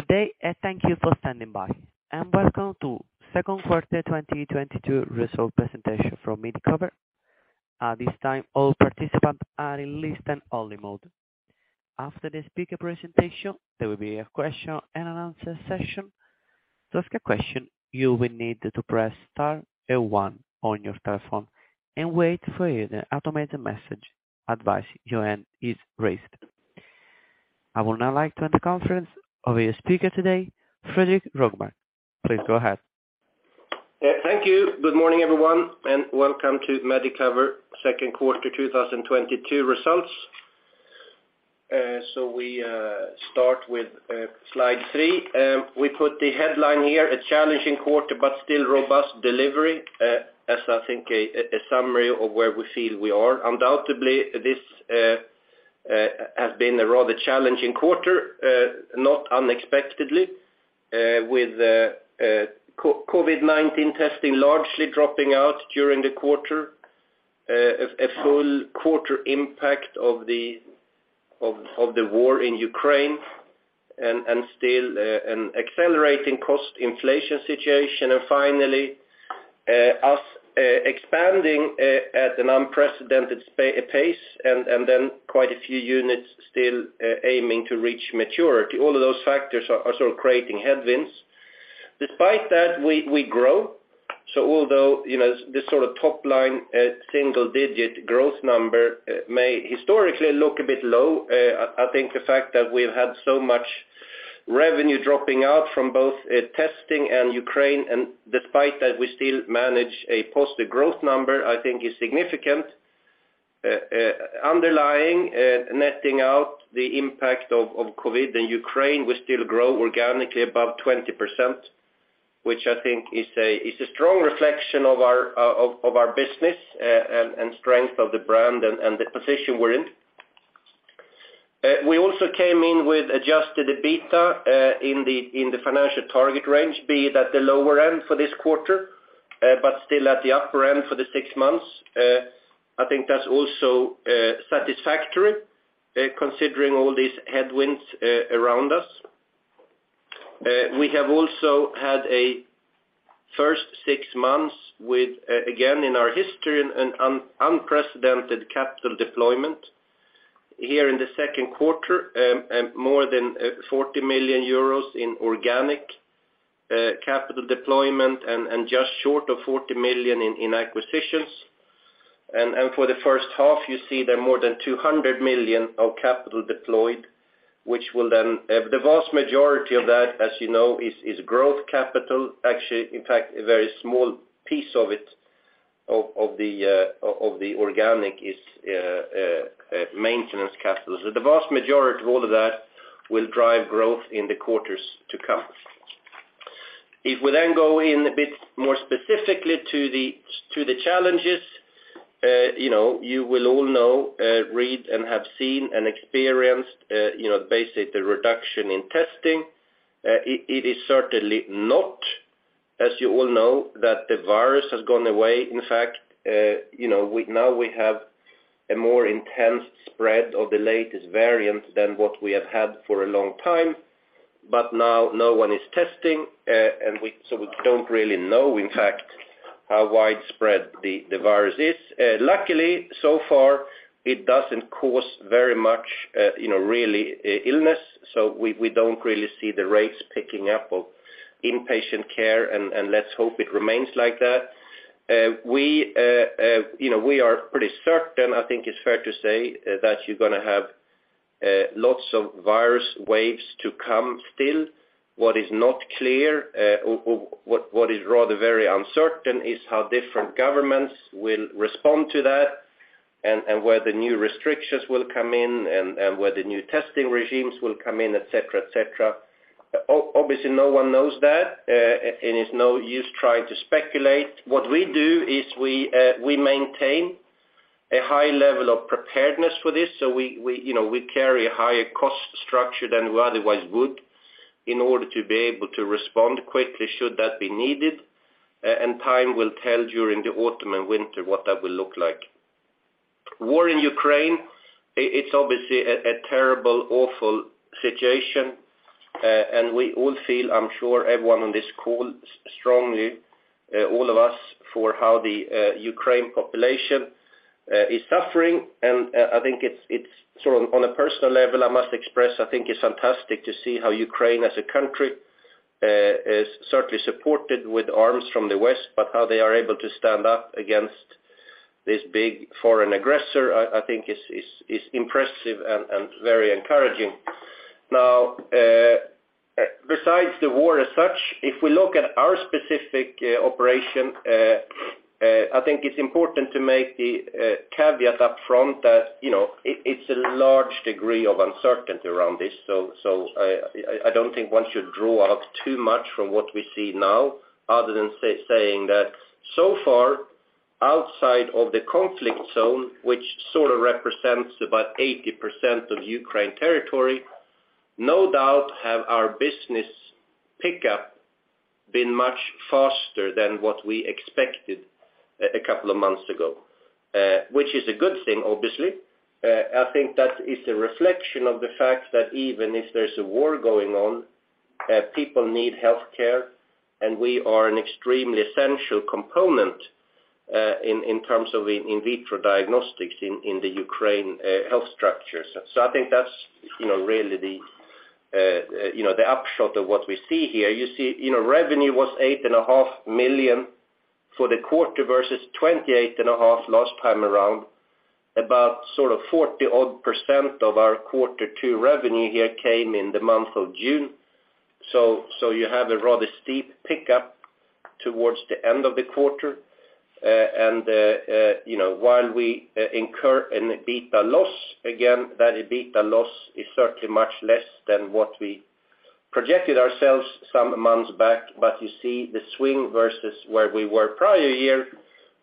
Good day, and thank you for standing by. Welcome to second quarter 2022 result presentation from Medicover. At this time, all participants are in listen-only mode. After the speaker presentation, there will be a question and an answer session. To ask a question, you will need to press star and one on your telephone and wait for the automated message advise your hand is raised. I would now like to hand the conference over to your speaker today, Fredrik Rågmark. Please go ahead. Yeah, thank you. Good morning, everyone, and welcome to Medicover second quarter 2022 results. We start with slide three. We put the headline here, a challenging quarter, but still robust delivery, as I think a summary of where we feel we are. Undoubtedly, this has been a rather challenging quarter, not unexpectedly, with COVID-19 testing largely dropping out during the quarter. A full quarter impact of the war in Ukraine and still an accelerating cost inflation situation. Finally, us expanding at an unprecedented pace and then quite a few units still aiming to reach maturity. All of those factors are sort of creating headwinds. Despite that, we grow. Although, you know, this sort of top line, single digit growth number may historically look a bit low, I think the fact that we've had so much revenue dropping out from both, testing and Ukraine, and despite that, we still manage a positive growth number, I think is significant. Underlying, netting out the impact of COVID and Ukraine will still grow organically above 20%, which I think is a strong reflection of our, of our business, and strength of the brand and the position we're in. We also came in with adjusted EBITDA in the financial target range, be it at the lower end for this quarter, but still at the upper end for the six months. I think that's also satisfactory, considering all these headwinds around us. We have also had a first six months with, again, in our history an unprecedented capital deployment. Here in the second quarter, more than 40 million euros in organic capital deployment and just short of 40 million in acquisitions. For the first half, you see that more than 200 million of capital deployed, which will then the vast majority of that, as you know, is growth capital. Actually, in fact, a very small piece of it of the organic is maintenance capital. The vast majority of all of that will drive growth in the quarters to come. If we then go in a bit more specifically to the challenges, you know, you will all know, read and have seen and experienced, you know, basically the reduction in testing. It is certainly not, as you all know, that the virus has gone away. In fact, now we have a more intense spread of the latest variant than what we have had for a long time. Now no one is testing, and so we don't really know, in fact, how widespread the virus is. Luckily, so far, it doesn't cause very much, you know, really illness. We don't really see the rates picking up of inpatient care, and let's hope it remains like that. You know, we are pretty certain. I think it's fair to say that you're gonna have lots of virus waves to come still. What is not clear, or what is rather very uncertain is how different governments will respond to that and where the new restrictions will come in and where the new testing regimes will come in, et cetera. Obviously, no one knows that, and it's no use trying to speculate. What we do is we maintain a high level of preparedness for this. You know, we carry a higher cost structure than we otherwise would in order to be able to respond quickly should that be needed. Time will tell during the autumn and winter what that will look like. War in Ukraine, it's obviously a terrible, awful situation, and we all feel, I'm sure everyone on this call strongly, all of us, for how the Ukraine population is suffering. I think it's sort of on a personal level, I must express, I think it's fantastic to see how Ukraine as a country is certainly supported with arms from the West, but how they are able to stand up against this big foreign aggressor, I think is impressive and very encouraging. Now, besides the war as such, if we look at our specific operation, I think it's important to make the caveat up front that, you know, it's a large degree of uncertainty around this. I don't think one should draw out too much from what we see now other than saying that so far outside of the conflict zone, which sort of represents about 80% of Ukraine territory, no doubt our business has picked up much faster than what we expected a couple of months ago, which is a good thing, obviously. I think that is a reflection of the fact that even if there's a war going on, people need healthcare, and we are an extremely essential component in terms of in vitro diagnostics in the Ukraine health structures. I think that's, you know, really the upshot of what we see here. You see, you know, revenue was 8.5 million for the quarter versus 28.5 last time around, about sort of 40-odd% of our quarter two revenue here came in the month of June. You have a rather steep pickup towards the end of the quarter. You know, while we incur an EBITDA loss, again, that EBITDA loss is certainly much less than what we projected ourselves some months back. You see the swing versus where we were prior year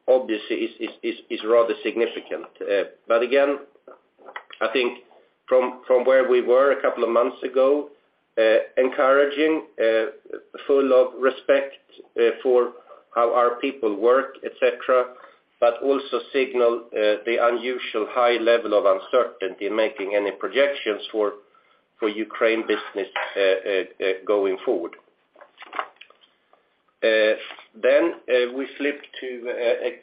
obviously is rather significant. Again, I think from where we were a couple of months ago, encouraging, full of respect for how our people work, et cetera, but also signal the unusual high level of uncertainty in making any projections for Ukraine business going forward. We flip to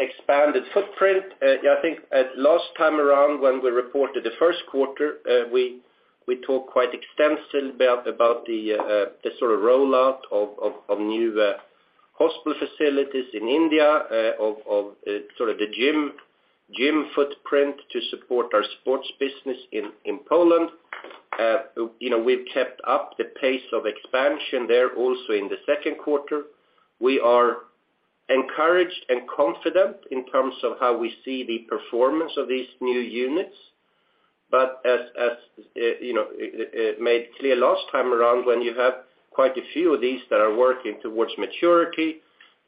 expanded footprint. I think at last time around when we reported the first quarter, we talked quite extensively about the sort of rollout of new hospital facilities in India, of sort of the gym footprint to support our sports business in Poland. You know, we've kept up the pace of expansion there also in the second quarter. We are encouraged and confident in terms of how we see the performance of these new units. you know, made clear last time around, when you have quite a few of these that are working towards maturity,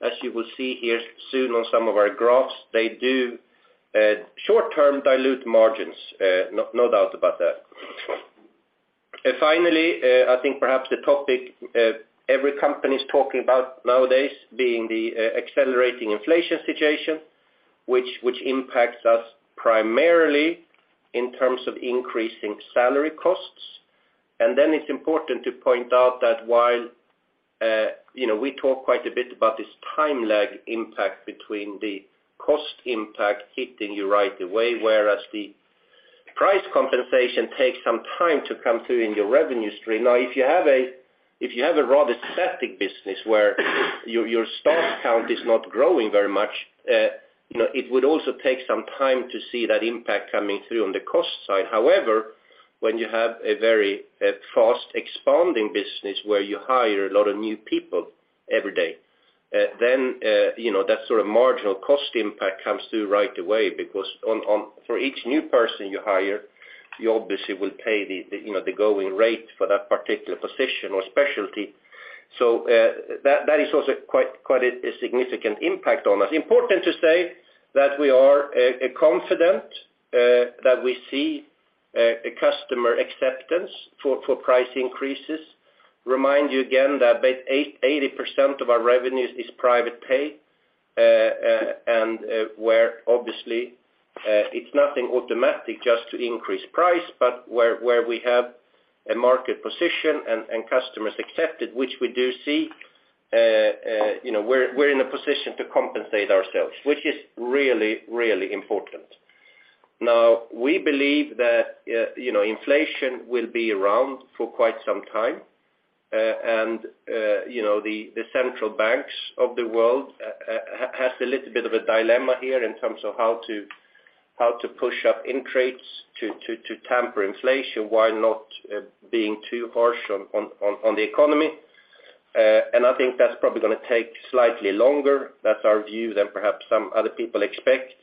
as you will see here soon on some of our graphs, they do short-term dilute margins, no doubt about that. Finally, I think perhaps the topic every company is talking about nowadays being the accelerating inflation situation, which impacts us primarily in terms of increasing salary costs. Then it's important to point out that while you know, we talk quite a bit about this time lag impact between the cost impact hitting you right away, whereas the price compensation takes some time to come through in your revenue stream. If you have a rather static business where your staff count is not growing very much, you know, it would also take some time to see that impact coming through on the cost side. However, when you have a very fast expanding business where you hire a lot of new people every day, then, you know, that sort of marginal cost impact comes through right away because, for each new person you hire, you obviously will pay the, you know, the going rate for that particular position or specialty. So, that is also quite a significant impact on us. Important to say that we are confident that we see a customer acceptance for price increases. Remind you again that 80% of our revenues is private pay, and where obviously it's nothing automatic just to increase price, but where we have a market position and customers accept it, which we do see, you know, we're in a position to compensate ourselves, which is really important. Now, we believe that you know, inflation will be around for quite some time. And you know, the central banks of the world has a little bit of a dilemma here in terms of how to push up interest to tame inflation while not being too harsh on the economy. And I think that's probably gonna take slightly longer, that's our view, than perhaps some other people expect.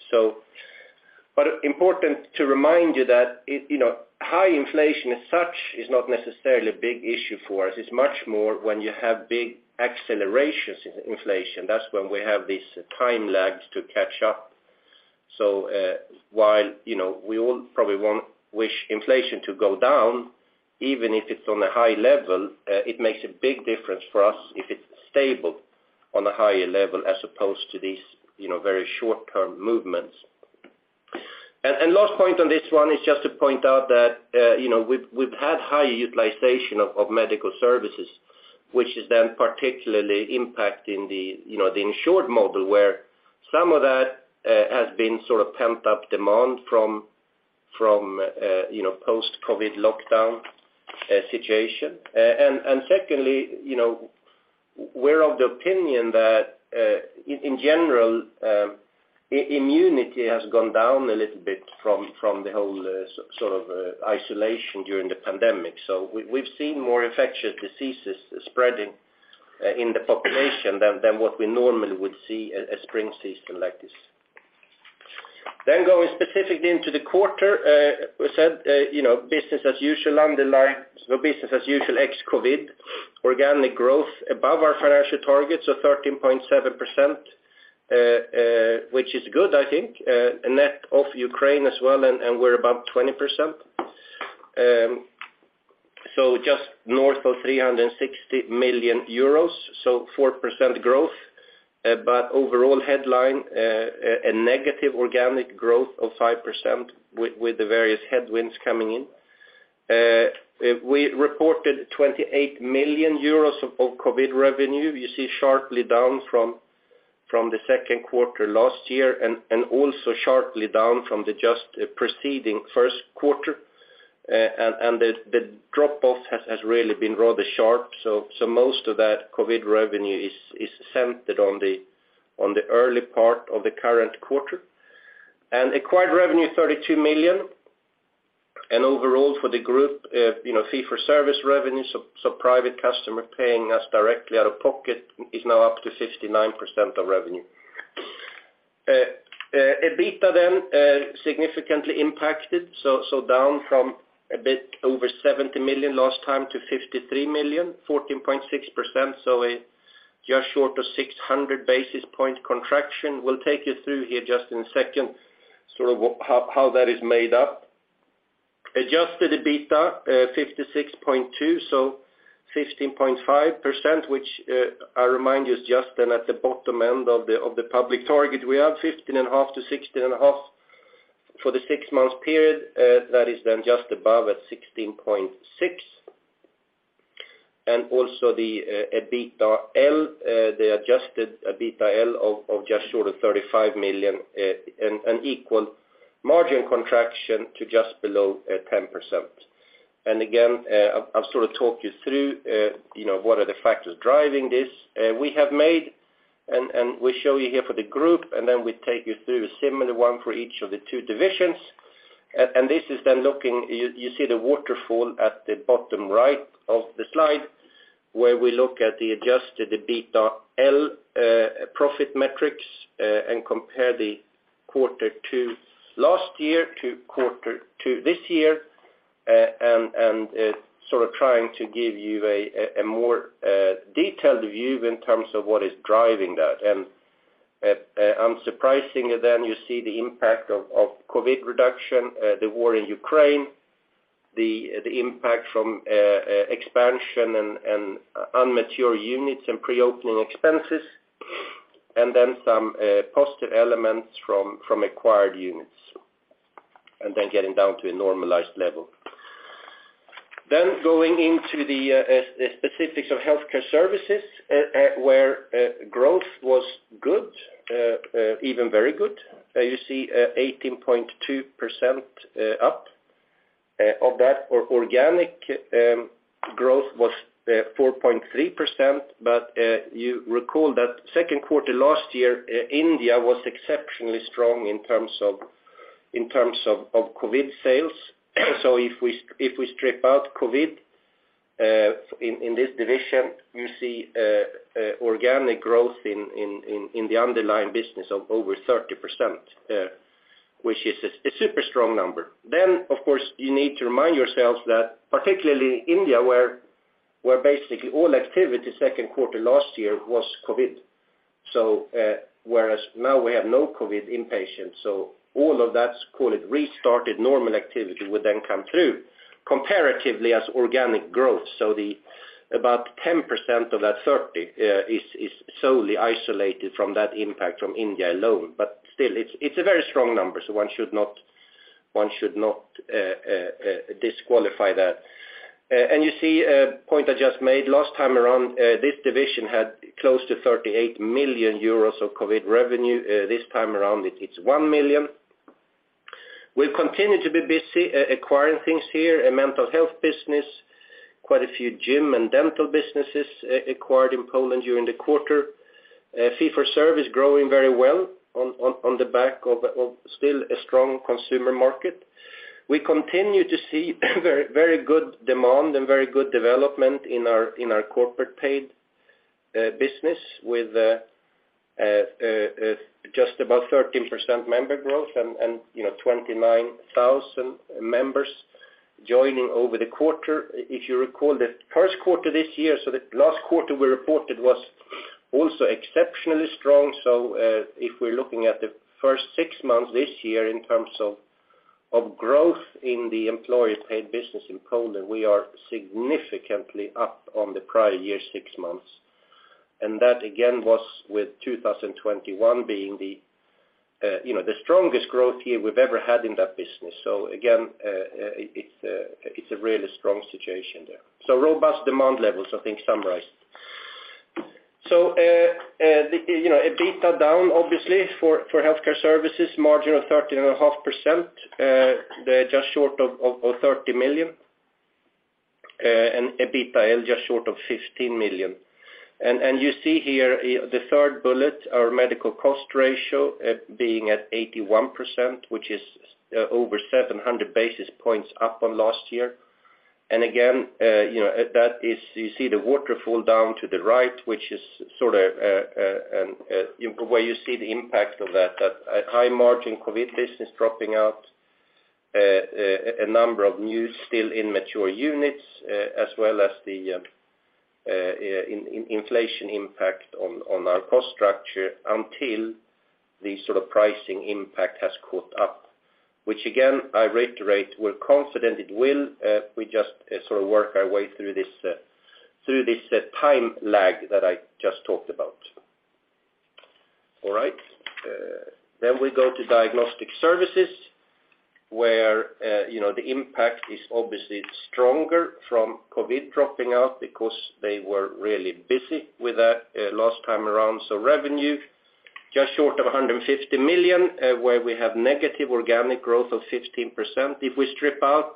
Important to remind you that, you know, high inflation as such is not necessarily a big issue for us. It's much more when you have big accelerations in inflation. That's when we have these time lags to catch up. While, you know, we all probably wish inflation to go down, even if it's on a high level, it makes a big difference for us if it's stable on a higher level as opposed to these, you know, very short-term movements. And last point on this one is just to point out that, you know, we've had high utilization of medical services, which is then particularly impacting the, you know, the insured model, where some of that has been sort of pent-up demand from, you know, post-COVID lockdown situation. Secondly, you know, we're of the opinion that in general immunity has gone down a little bit from the whole sort of isolation during the pandemic. We've seen more infectious diseases spreading in the population than what we normally would see a spring season like this. Going specifically into the quarter, we said, you know, business as usual underlying. Business as usual ex-COVID. Organic growth above our financial targets of 13.7%, which is good, I think. Net of Ukraine as well, and we're above 20%. Just north of 360 million euros, 4% growth. Overall headline, a negative organic growth of 5% with the various headwinds coming in. We reported 28 million euros of COVID revenue. You see, sharply down from the second quarter last year and also sharply down from the just preceding first quarter. The drop off has really been rather sharp. Most of that COVID revenue is centered on the early part of the current quarter. Acquired revenue 32 million. Overall for the group, you know, fee-for-service revenue, so private customer paying us directly out of pocket is now up to 59% of revenue. EBITDA then significantly impacted, down from a bit over 70 million last time to 53 million, 14.6%. A just short of 600 basis point contraction. We'll take you through here just in a second, sort of how that is made up. Adjusted EBITDA, 56.2%, so 15.5%, which I remind you is just then at the bottom end of the public target we have, 15.5%-16.5%. For the six-month period, that is then just above at 16.6%. Also the adjusted EBITDA LTM of just short of 35 million, and equal margin contraction to just below 10%. Again, I'll sort of talk you through, you know, what are the factors driving this. We have made and we show you here for the group, and then we take you through a similar one for each of the two divisions. You see the waterfall at the bottom right of the slide, where we look at the adjusted EBITDA LTM profit metrics, and compare the quarter to last year to quarter to this year, and sort of trying to give you a more detailed view in terms of what is driving that. Unsurprisingly you see the impact of COVID reduction, the war in Ukraine, the impact from expansion and immature units and pre-opening expenses, and then some positive elements from acquired units, and then getting down to a normalized level. Going into the specifics of healthcare services, where growth was good, even very good. You see 18.2% up. Of that organic growth was 4.3%, but you recall that second quarter last year, India was exceptionally strong in terms of COVID sales. If we strip out COVID in this division, you see organic growth in the underlying business of over 30%, which is a super strong number. Of course, you need to remind yourselves that particularly India, where basically all activity second quarter last year was COVID. Whereas now we have no COVID inpatient, so all of that, call it restarted normal activity, would then come through comparatively as organic growth. About 10% of that 30 is solely isolated from that impact from India alone. Still, it's a very strong number, so one should not disqualify that. You see a point I just made, last time around, this division had close to 38 million euros of COVID revenue. This time around it's 1 million. We've continued to be busy acquiring things here, a mental health business, quite a few gym and dental businesses, acquired in Poland during the quarter. Fee for service growing very well on the back of still a strong consumer market. We continue to see very good demand and very good development in our corporate paid business with just about 13% member growth and, you know, 29,000 members joining over the quarter. If you recall the first quarter this year, the last quarter we reported was also exceptionally strong. If we're looking at the first six months this year in terms of growth in the employee paid business in Poland, we are significantly up on the prior year six months. That again was with 2021 being the, you know, the strongest growth year we've ever had in that business. It's a really strong situation there. Robust demand levels, I think, summarized. You know, EBITDA down obviously for healthcare services, margin of 13.5%, they're just short of 30 million, and EBITDAL just short of 15 million. You see here the third bullet, our medical cost ratio being at 81%, which is over 700 basis points up on last year. You know, that is you see the waterfall down to the right, which is sort of where you see the impact of that high margin COVID business dropping out, a number of new still immature units, as well as the inflation impact on our cost structure until the sort of pricing impact has caught up, which again, I reiterate, we're confident it will, we just sort of work our way through this through this time lag that I just talked about. All right. We go to diagnostic services where, you know, the impact is obviously stronger from COVID dropping out because they were really busy with that last time around. Revenue just short of 150 million, where we have negative organic growth of 15%. If we strip out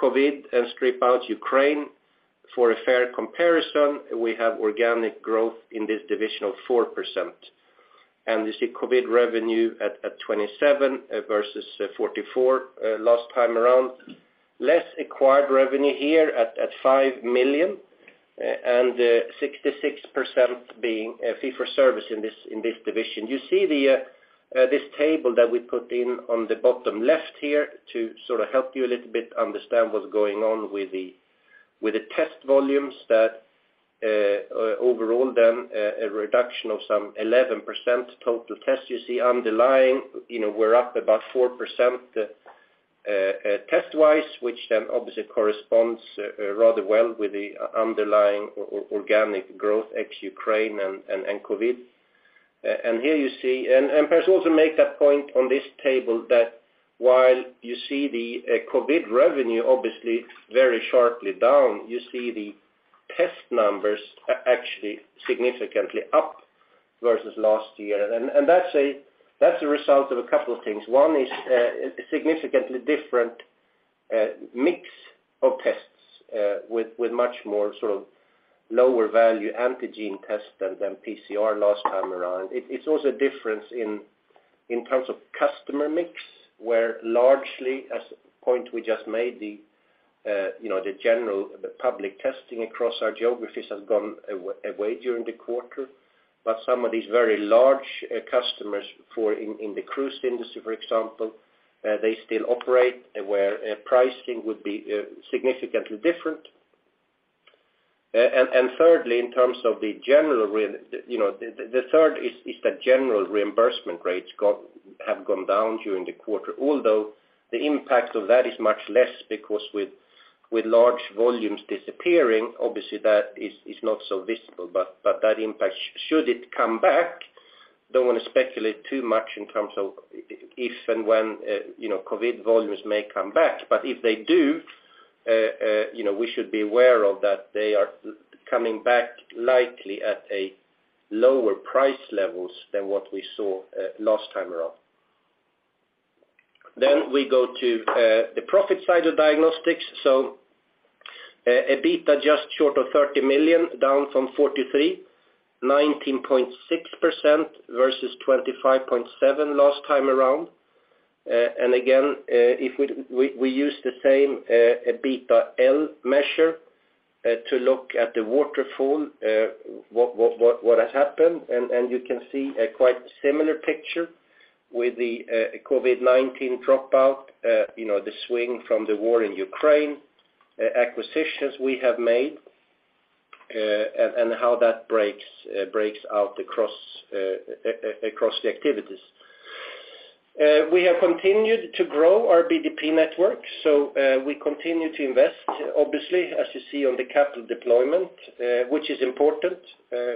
COVID and strip out Ukraine for a fair comparison, we have organic growth in this division of 4%. You see COVID revenue at 27 versus 44 last time around. Less acquired revenue here at 5 million, and 66% being fee-for-service in this division. You see this table that we put in on the bottom left here to sort of help you a little bit understand what's going on with the test volumes that overall then a reduction of some 11% total tests. You see underlying, you know, we're up about 4%, test wise, which then obviously corresponds rather well with the underlying organic growth ex Ukraine and COVID. Here you see, perhaps also make that point on this table, that while you see the COVID revenue obviously very sharply down, you see the test numbers are actually significantly up versus last year. That's a result of a couple of things. One is significantly different mix of tests with much more sort of lower value antigen tests than PCR last time around. It's also a difference in terms of customer mix, where largely, as a point we just made, the general public testing across our geographies has gone away during the quarter. Some of these very large customers, for instance, in the cruise industry, for example, they still operate where pricing would be significantly different. Thirdly, the general reimbursement rates have gone down during the quarter. Although the impact of that is much less because with large volumes disappearing, obviously that is not so visible. That impact, should it come back, don't want to speculate too much in terms of if and when COVID volumes may come back. If they do, you know, we should be aware that they are coming back likely at lower price levels than what we saw last time around. We go to the profit side of diagnostics. EBITDA just short of 30 million, down from 43 million, 19.6% versus 25.7% last time around. If we use the same EBITDAL measure to look at the waterfall, what has happened, and you can see a quite similar picture with the COVID-19 dropout, you know, the swing from the war in Ukraine, acquisitions we have made, and how that breaks out across the activities. We have continued to grow our BDP network, so we continue to invest, obviously, as you see on the capital deployment, which is important.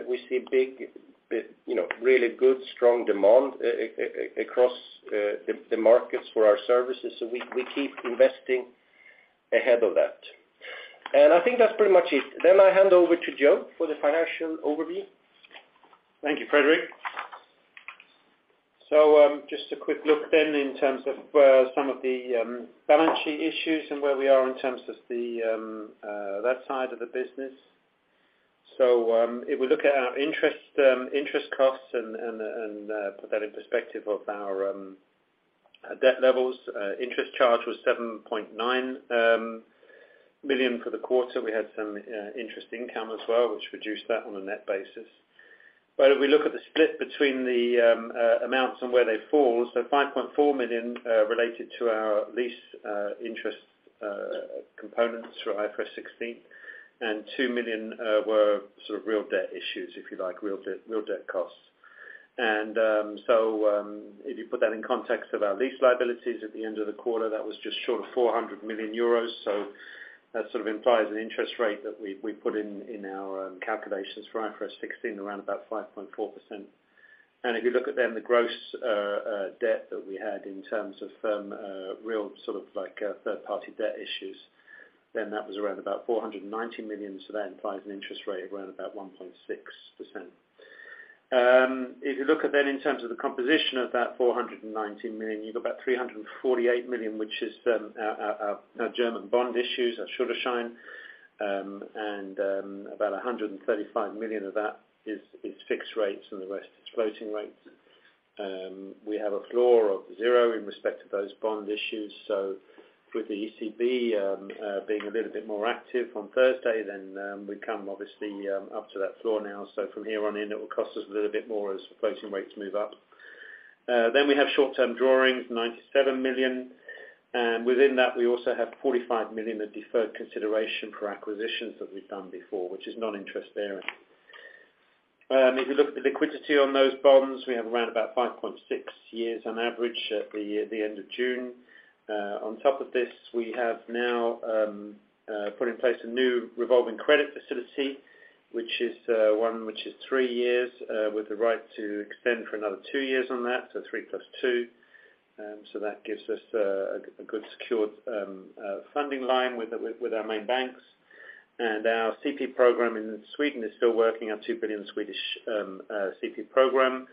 We see big, you know, really good, strong demand across the markets for our services. So we keep investing ahead of that. I think that's pretty much it. I hand over to Joe for the financial overview. Thank you, Fredrik. Just a quick look then in terms of some of the balance sheet issues and where we are in terms of that side of the business. If we look at our interest costs and put that in perspective of our debt levels, interest charge was 7.9 million for the quarter. We had some interest income as well, which reduced that on a net basis. If we look at the split between the amounts and where they fall, 5.4 million related to our lease interest components for IFRS 16, and 2 million were sort of real debt issues, if you like, real debt costs. If you put that in context of our lease liabilities at the end of the quarter, that was just short of 400 million euros. That sort of implies an interest rate that we put in our calculations for IFRS 16, around about 5.4%. If you look at then the gross debt that we had in terms of real sort of like third-party debt issues, then that was around about 490 million. That implies an interest rate of around about 1.6%. If you look at that in terms of the composition of that 490 million, you've got about 348 million, which is our German bond issues at Schuldschein, and about 135 million of that is fixed rates and the rest is floating rates. We have a floor of zero with respect to those bond issues. With the ECB being a little bit more active on Thursday, then we come obviously up to that floor now. From here on in, it will cost us a little bit more as floating rates move up. We have short-term drawings, 97 million. Within that, we also have 45 million of deferred consideration for acquisitions that we've done before, which is non-interest bearing. If you look at the liquidity on those bonds, we have around about 5.6 years on average at the end of June. On top of this, we have now put in place a new revolving credit facility, which is three years with the right to extend for another two years on that, so 3 + 2. That gives us a good secured funding line with our main banks. Our CP program in Sweden is still working on 2 billion CP program.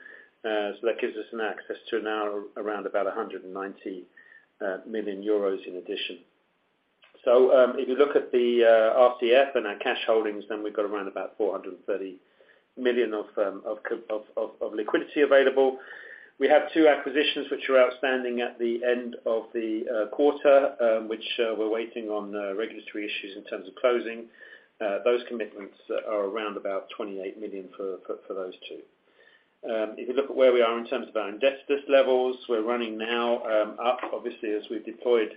That gives us access to now around about 190 million euros in addition. If you look at the RCF and our cash holdings, then we've got around about 430 million of liquidity available. We have two acquisitions which are outstanding at the end of the quarter, which we're waiting on regulatory issues in terms of closing. Those commitments are around about 28 million for those two. If you look at where we are in terms of our indebtedness levels, we're running now up obviously as we've deployed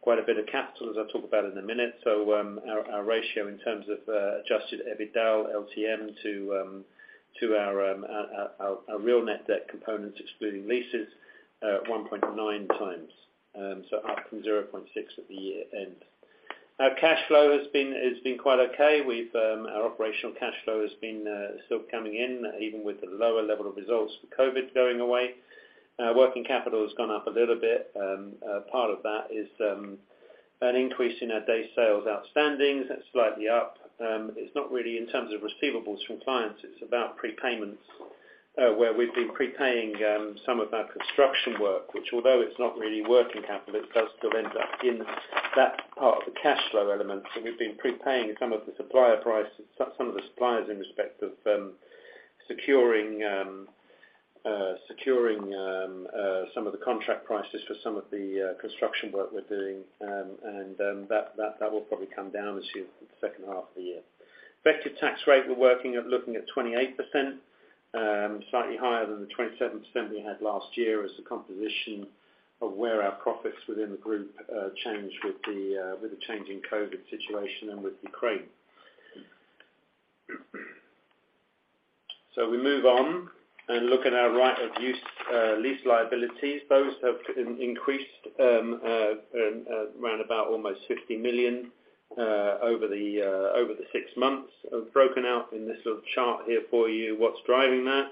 quite a bit of capital, as I'll talk about in a minute. Our ratio in terms of adjusted EBITDA LTM to our total net debt components excluding leases at 1.9x. Up from 0.6% at the year end. Our cash flow has been quite okay. Our operational cash flow has been still coming in, even with the lower level of results with COVID going away. Working capital has gone up a little bit. A part of that is an increase in our days sales outstanding. That's slightly up. It's not really in terms of receivables from clients, it's about prepayments, where we've been prepaying some of our construction work, which although it's not really working capital, it does still end up in that part of the cash flow element. We've been prepaying some of the supplier prices, some of the suppliers in respect of securing some of the contract prices for some of the construction work we're doing. That will probably come down as to the second half of the year. Effective tax rate, we're working at looking at 28%, slightly higher than the 27% we had last year as a composition of where our profits within the group change with the change in COVID situation and with Ukraine. We move on and look at our right of use lease liabilities. Those have increased round about almost 50 million over the six months. I've broken out in this little chart here for you, what's driving that.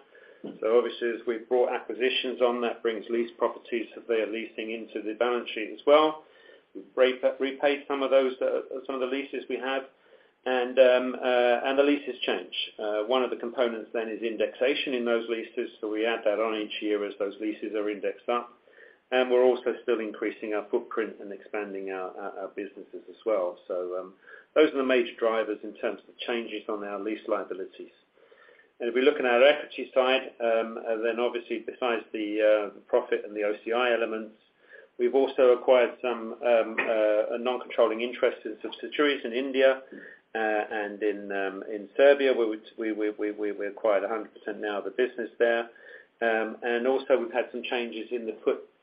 Obviously, as we've brought acquisitions on, that brings lease properties that they are leasing into the balance sheet as well. We've repaid some of those, some of the leases we have and the leases change. One of the components then is indexation in those leases. We add that on each year as those leases are indexed up. We're also still increasing our footprint and expanding our businesses as well. Those are the major drivers in terms of changes on our lease liabilities. If we look at our equity side, then obviously besides the profit and the OCI elements, we've also acquired a non-controlling interest in subsidiaries in India, and in Serbia, where we acquired 100% now of the business there. Also we've had some changes in the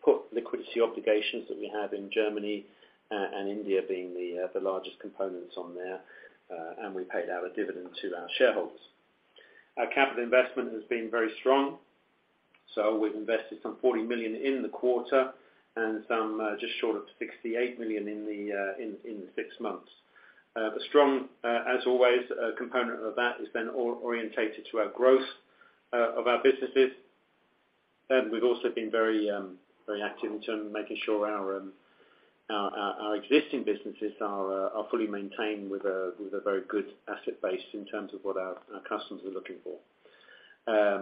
put liability obligations that we have in Germany, and India being the largest components on there. We paid out a dividend to our shareholders. Our capital investment has been very strong. We've invested some 40 million in the quarter and some just short of 68 million in the six months. Strong, as always, a component of that has been oriented to our growth of our businesses. We've also been very active in terms of making sure our existing businesses are fully maintained with a very good asset base in terms of what our customers are looking for.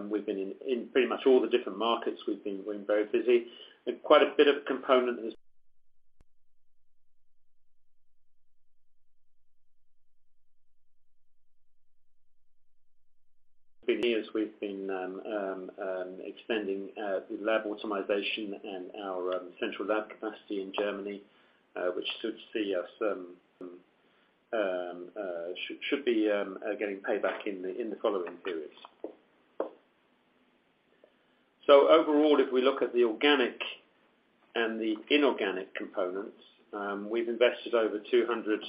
We've been in pretty much all the different markets we've been very busy. Quite a bit of component has been here as we've been expanding lab automation and our central lab capacity in Germany, which should see us should be getting paid back in the following periods. Overall, if we look at the organic and the inorganic components, we've invested over 200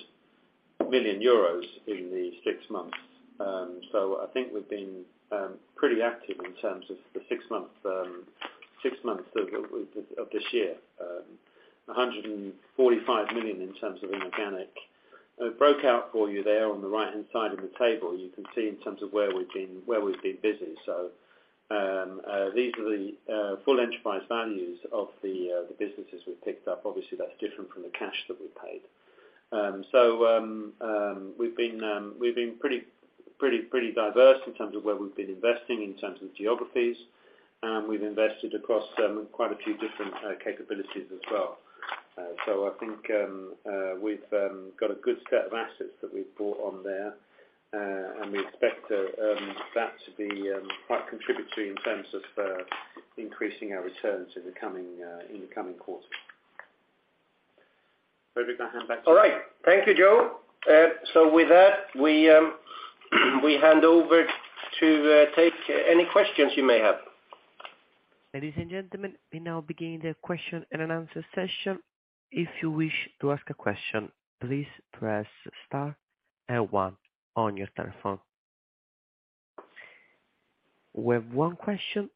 million euros in the six months. I think we've been pretty active in terms of the six months of this year. 145 million in terms of inorganic. I broke out for you there on the right-hand side of the table, you can see in terms of where we've been busy. These are the full enterprise values of the businesses we've picked up. Obviously, that's different from the cash that we paid. We've been pretty diverse in terms of where we've been investing in terms of geographies. We've invested across quite a few different capabilities as well. I think we've got a good set of assets that we've brought on there. We expect that to be quite contributory in terms of increasing our returns in the coming quarters. Fredrik, I hand back to you. All right. Thank you, Joe. With that, we hand over to take any questions you may have. Ladies and gentlemen, we now begin the question and answer session. If you wish to ask a question, please press star and one on your telephone. We have one question.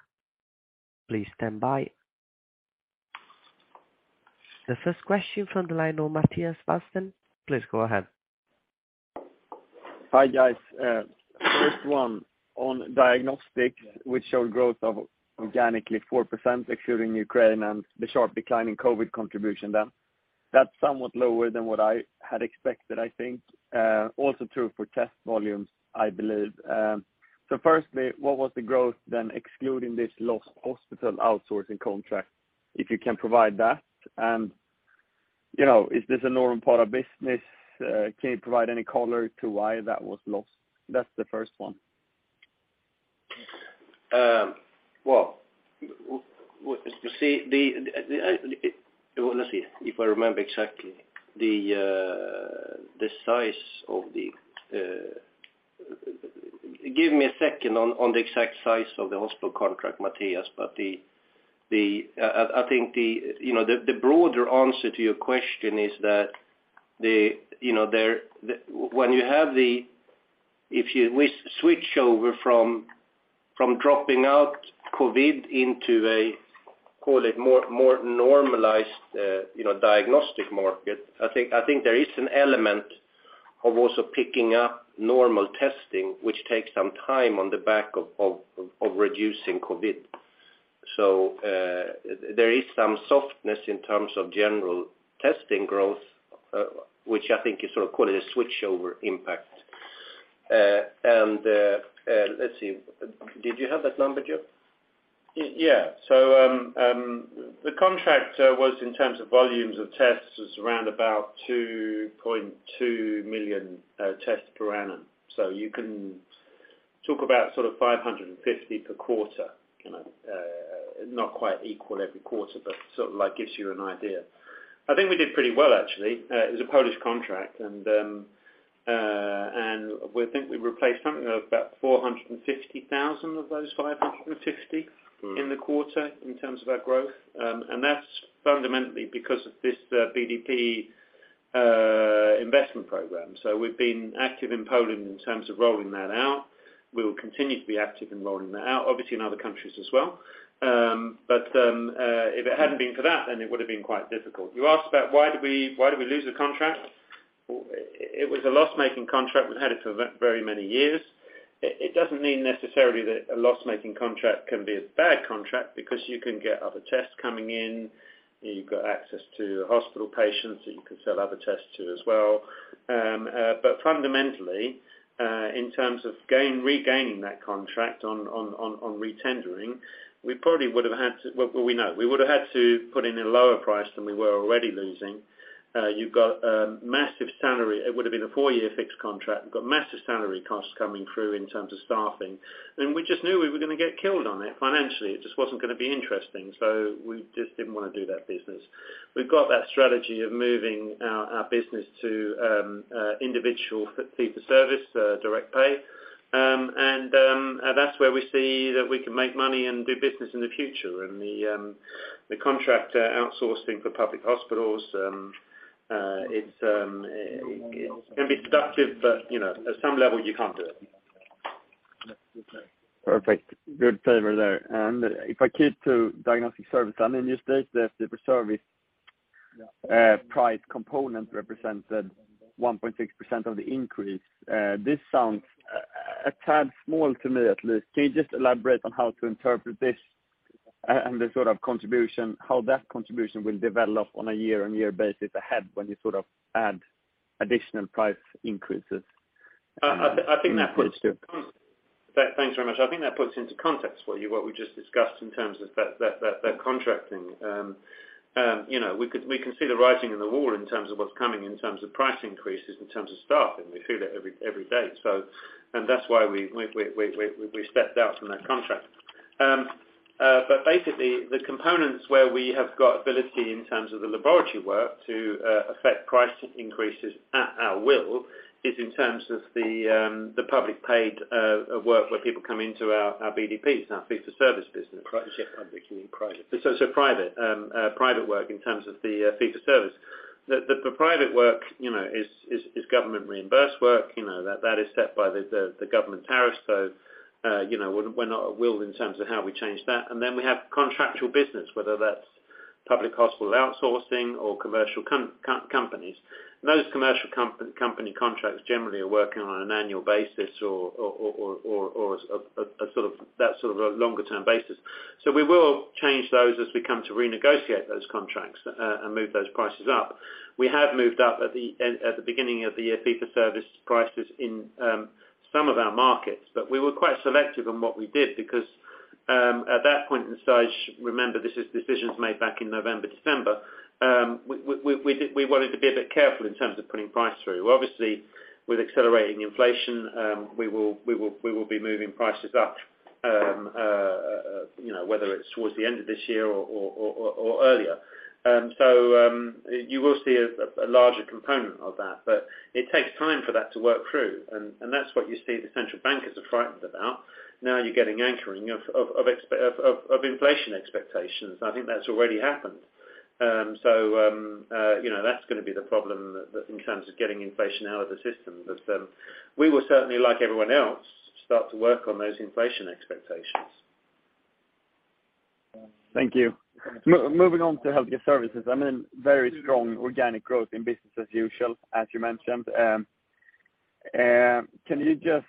Please stand by. The first question from the line of Mattias Wallström. Please go ahead. Hi, guys. First one on diagnostics which showed growth of organically 4% excluding Ukraine and the sharp decline in COVID contribution then. That's somewhat lower than what I had expected, I think. Also true for test volumes, I believe. Firstly, what was the growth then excluding this lost hospital outsourcing contract, if you can provide that? You know, is this a normal part of business? Can you provide any color to why that was lost? That's the first one. Well, let's see if I remember exactly. Give me a second on the exact size of the hospital contract, Mattias. The broader answer to your question is that you know, when you have the switch over from dropping out COVID into a call it more normalized you know diagnostic market, I think there is an element of also picking up normal testing, which takes some time on the back of reducing COVID. There is some softness in terms of general testing growth, which I think is sort of call it a switchover impact. Let's see. Did you have that number, Joe? Yeah. The contract was in terms of volumes of tests around about 2.2 million tests per annum. You can talk about sort of 550 per quarter, you know, not quite equal every quarter, but sort of like gives you an idea. I think we did pretty well actually. It was a Polish contract and we think we replaced something of about 450,000 of those 550 in the quarter in terms of our growth. That's fundamentally because of this BDP investment program. We've been active in Poland in terms of rolling that out. We will continue to be active in rolling that out, obviously in other countries as well. If it hadn't been for that, it would have been quite difficult. You asked about why did we lose the contract? It was a loss-making contract. We've had it for very many years. It doesn't mean necessarily that a loss-making contract can be a bad contract because you can get other tests coming in. You've got access to hospital patients that you can sell other tests to as well. Fundamentally, in terms of regaining that contract on re-tendering, we probably would have had to, well, we know, we would have had to put in a lower price than we were already losing. You've got massive salary. It would have been a four-year fixed contract. We've got massive salary costs coming through in terms of staffing, and we just knew we were going to get killed on it financially. It just wasn't going to be interesting. We just didn't want to do that business. We've got that strategy of moving our business to individual fee-for-service direct pay. That's where we see that we can make money and do business in the future. The contract outsourcing for public hospitals, it can be seductive, but you know, at some level you can't do it. Perfect. Good favor there. If I keep to diagnostic service, I mean, you state that the service price component represented 1.6% of the increase. This sounds a tad small to me, at least. Can you just elaborate on how to interpret this and the sort of contribution, how that contribution will develop on a year-on-year basis ahead when you sort of add additional price increases in the future? Thanks very much. I think that puts into context for you what we just discussed in terms of that contracting. You know, we can see the writing on the wall in terms of what's coming, in terms of price increases, in terms of staffing. We feel it every day. That's why we stepped out from that contract. But basically the components where we have got ability in terms of the laboratory work to affect price increases at our will is in terms of the public payer work where people come into our BDPs, our fee-for-service business. Private. Yeah. Public. You mean private. Private work in terms of the fee for service. The private work, you know, is government reimbursed work. You know, that is set by the government tariff. You know, we're not at will in terms of how we change that. Then we have contractual business, whether that's public hospital outsourcing or commercial companies. Those commercial company contracts generally are working on an annual basis or a sort of longer term basis. We will change those as we come to renegotiate those contracts and move those prices up. We have moved up at the end, at the beginning of the fee for service prices in some of our markets, but we were quite selective on what we did because at that point in stage, remember this is decisions made back in November, December, we did, we wanted to be a bit careful in terms of putting price through. Obviously, with accelerating inflation, we will be moving prices up. You know, whether it's towards the end of this year or earlier. You will see a larger component of that, but it takes time for that to work through, and that's what you see the central bankers are frightened about. Now you're getting anchoring of inflation expectations. I think that's already happened. You know, that's gonna be the problem in terms of getting inflation out of the system. We will certainly, like everyone else, start to work on those inflation expectations. Thank you. Moving on to healthcare services, I mean, very strong organic growth in business as usual, as you mentioned. Can you just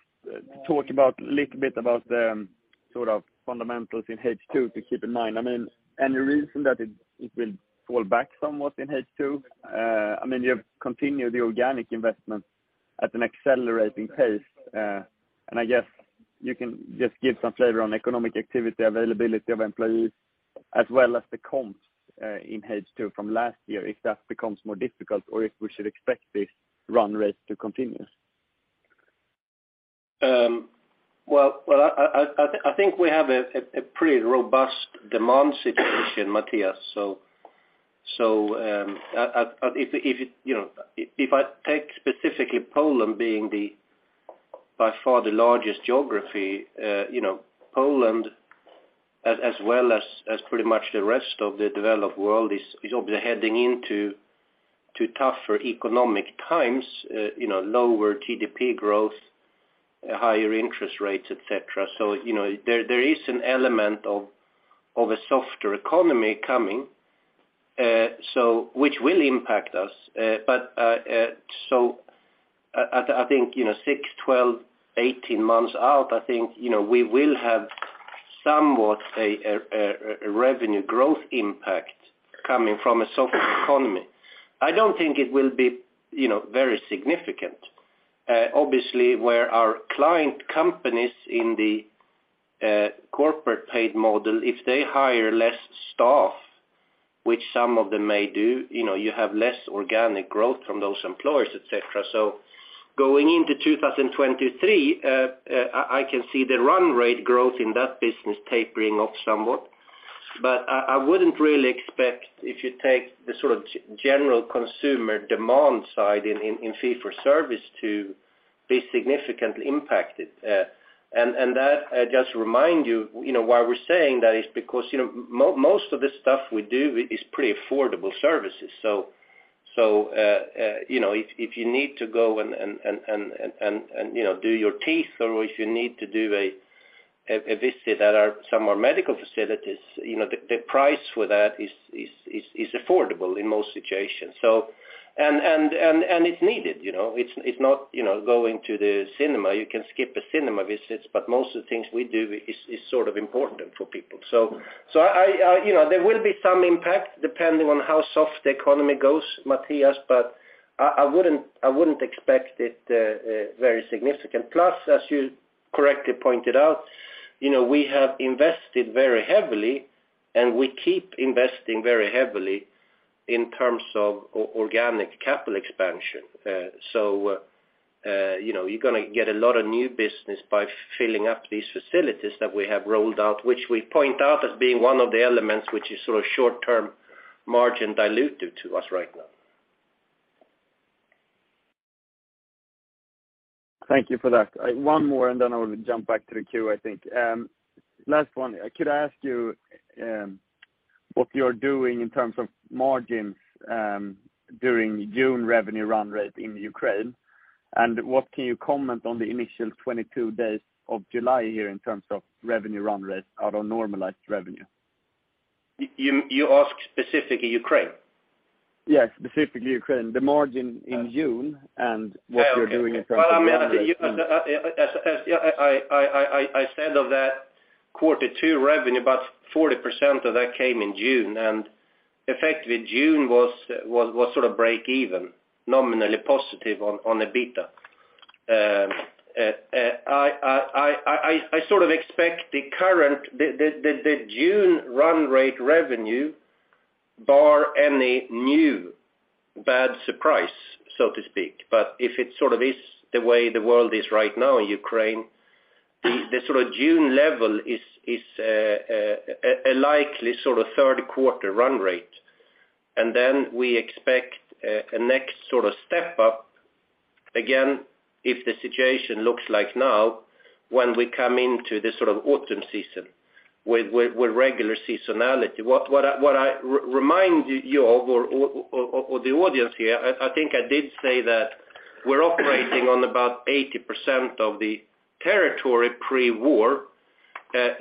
talk about a little bit about the sort of fundamentals in H2 to keep in mind? I mean, any reason that it will fall back somewhat in H2? I mean, you have continued the organic investment at an accelerating pace. I guess you can just give some flavor on economic activity, availability of employees, as well as the comps in H2 from last year, if that becomes more difficult or if we should expect this run rate to continue. Well, I think we have a pretty robust demand situation, Mattias. If I take specifically Poland being by far the largest geography, you know, Poland as well as pretty much the rest of the developed world is obviously heading into tougher economic times, you know, lower GDP growth, higher interest rates, et cetera. There is an element of a softer economy coming, which will impact us. I think, you know, six, 12, 18 months out, I think, you know, we will have somewhat a revenue growth impact coming from a softer economy. I don't think it will be, you know, very significant. Obviously, where our client companies in the corporate paid model, if they hire less staff, which some of them may do, you know, you have less organic growth from those employers, et cetera. Going into 2023, I can see the run rate growth in that business tapering off somewhat. I wouldn't really expect if you take the sort of general consumer demand side in fee-for-service to be significantly impacted. That, just to remind you know, why we're saying that is because, you know, most of the stuff we do is pretty affordable services. You know, if you need to go and you know, do your teeth or if you need to do a visit at some of our medical facilities, you know, the price for that is affordable in most situations. It's needed, you know. It's not, you know, going to the cinema. You can skip a cinema visits, but most of the things we do is sort of important for people. You know, there will be some impact depending on how soft the economy goes, Mattias, but I wouldn't expect it very significant. Plus, as you correctly pointed out, you know, we have invested very heavily, and we keep investing very heavily in terms of organic capital expansion. You know, you're gonna get a lot of new business by filling up these facilities that we have rolled out, which we point out as being one of the elements which is sort of short-term margin dilutive to us right now. Thank you for that. One more, and then I will jump back to the queue, I think. Last one. Could I ask you, what you're doing in terms of margins, during June revenue run rate in Ukraine? And what can you comment on the initial 22 days of July here in terms of revenue run rates out of normalized revenue? You ask specifically Ukraine? Yes, specifically Ukraine. The margin in June and what you're doing in terms of Well, I mean, as I said of that quarter two revenue, about 40% of that came in June, and effectively June was sort of breakeven, nominally positive on EBITDA. I sort of expect the June run rate revenue barring any new bad surprise, so to speak. If it sort of is the way the world is right now in Ukraine, the sort of June level is a likely sort of third quarter run rate. Then we expect a next sort of step-up, again, if the situation looks like now, when we come into the sort of autumn season with regular seasonality. What I remind you of or the audience here, I think I did say that we're operating on about 80% of the territory pre-war.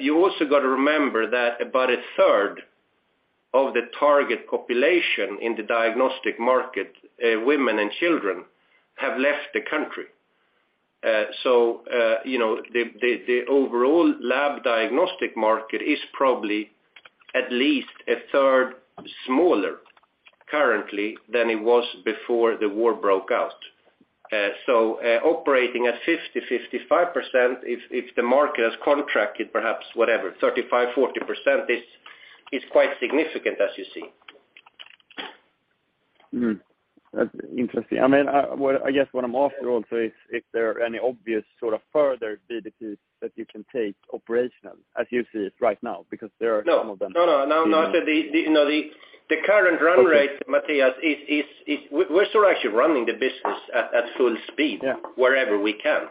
You also got to remember that about a third of the target population in the diagnostic market, women and children, have left the country. You know, the overall lab diagnostic market is probably at least a third smaller currently than it was before the war broke out. Operating at 50-55%, if the market has contracted, perhaps whatever, 35-40% is quite significant, as you see. That's interesting. I mean, well, I guess what I'm after also is if there are any obvious sort of further BDPs that you can take operational as you see it right now, because there are some of them. No. I said the, you know, the current run rate, Mattias, is. We're sort of actually running the business at full speed. Yeah... wherever we can.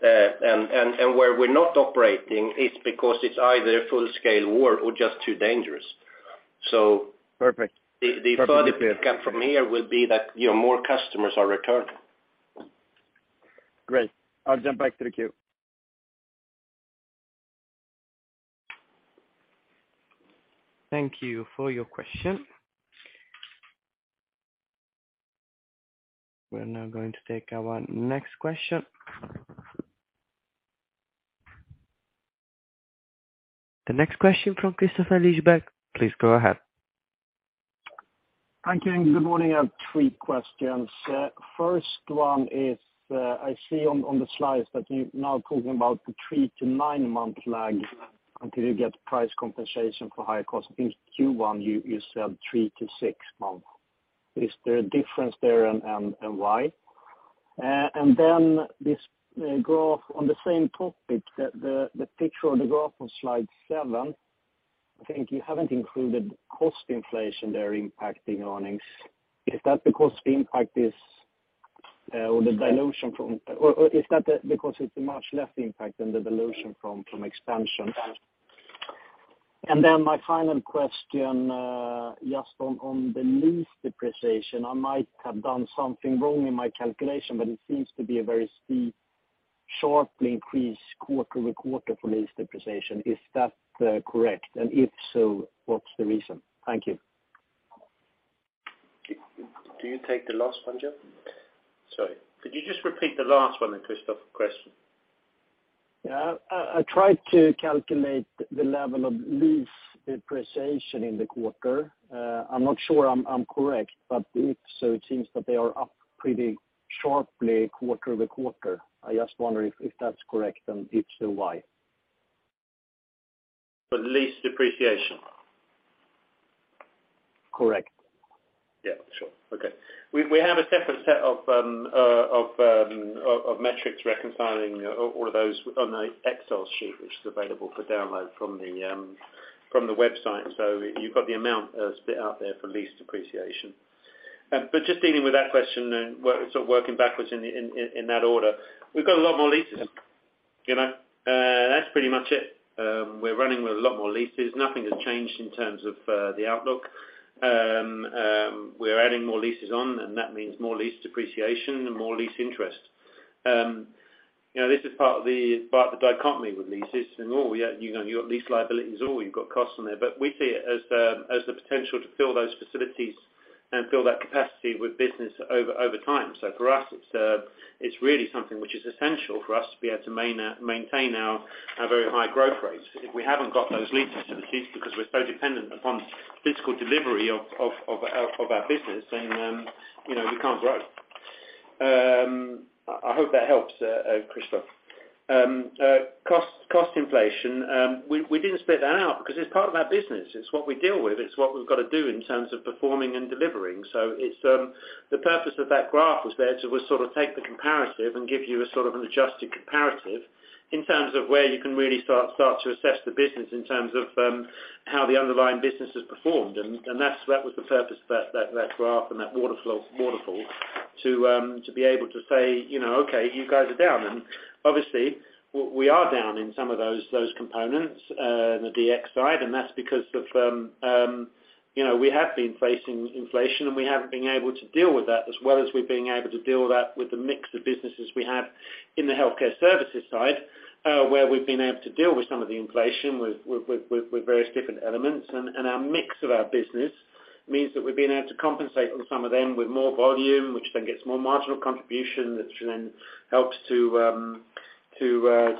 Where we're not operating, it's because it's either full scale war or just too dangerous. Perfect. The further benefit comes from here would be that, you know, more customers are returning. Great. I'll jump back to the queue. Thank you for your question. We're now going to take our next question. The next question from Kristofer Liljeberg, please go ahead. Thank you, and good morning. I have three questions. First one is, I see on the slides that you're now talking about the three- to 9-month lag until you get price compensation for higher costs. In Q1, you said three to six months. Is there a difference there and why? And then this graph on the same topic, the picture or the graph on slide seven, I think you haven't included cost inflation there impacting earnings. Is that because the impact is or the dilution from. Or is that because it's a much less impact than the dilution from expansion? And then my final question, just on the lease depreciation. I might have done something wrong in my calculation, but it seems to be a very steep, sharply increased quarter to quarter for lease depreciation. Is that correct? If so, what's the reason? Thank you. Do you take the last one, Joe? Sorry. Could you just repeat the last one then, Kristofer, question? Yeah. I tried to calculate the level of lease depreciation in the quarter. I'm not sure I'm correct, but if so, it seems that they are up pretty sharply quarter over quarter. I just wonder if that's correct, and if so, why? The lease depreciation? Correct. Yeah, sure. Okay. We have a separate set of of metrics reconciling all of those on the Excel sheet which is available for download from the website. You've got the amount split out there for lease depreciation. Just dealing with that question and sort of working backwards in that order. We've got a lot more leases. You know, that's pretty much it. We're running with a lot more leases. Nothing has changed in terms of the outlook. We're adding more leases on, and that means more lease depreciation and more lease interest. You know, this is part of the dichotomy with leases and all. You know, you got lease liabilities, or you've got costs on there. We see it as the potential to fill those facilities and fill that capacity with business over time. For us, it's really something which is essential for us to be able to maintain our very high growth rates. If we haven't got those lease facilities because we're so dependent upon physical delivery of our business, then you know, we can't grow. I hope that helps, Kristofer. Cost inflation, we didn't split that out because it's part of our business. It's what we deal with. It's what we've gotta do in terms of performing and delivering. It's the purpose of that graph was there to sort of take the comparative and give you a sort of an adjusted comparative in terms of where you can really start to assess the business in terms of how the underlying business has performed. That was the purpose of that graph and that waterfall to be able to say, you know, "Okay, you guys are down." Obviously we are down in some of those components in the DX side, and that's because of, you know, we have been facing inflation, and we haven't been able to deal with that as well as we've been able to deal with that with the mix of businesses we have in the healthcare services side, where we've been able to deal with some of the inflation with various different elements. Our mix of business means that we've been able to compensate on some of them with more volume, which then gets more marginal contribution, which then helps to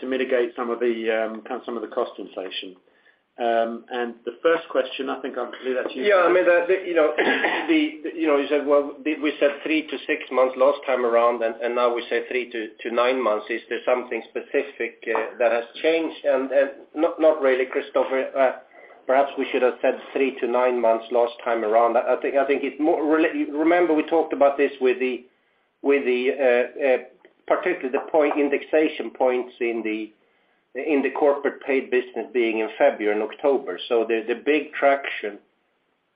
mitigate some of the cost inflation. The first question, I think I'll leave that to you. Yeah. I mean, you know, you know, you said, well, we said 3-6 months last time around, and now we say 3-9 months. Is there something specific that has changed? Not really, Kristofer. Perhaps we should have said 3-9 months last time around. I think it's more related. Remember we talked about this with the particularly the price indexation points in the corporate paid business being in February and October. So there's a big fraction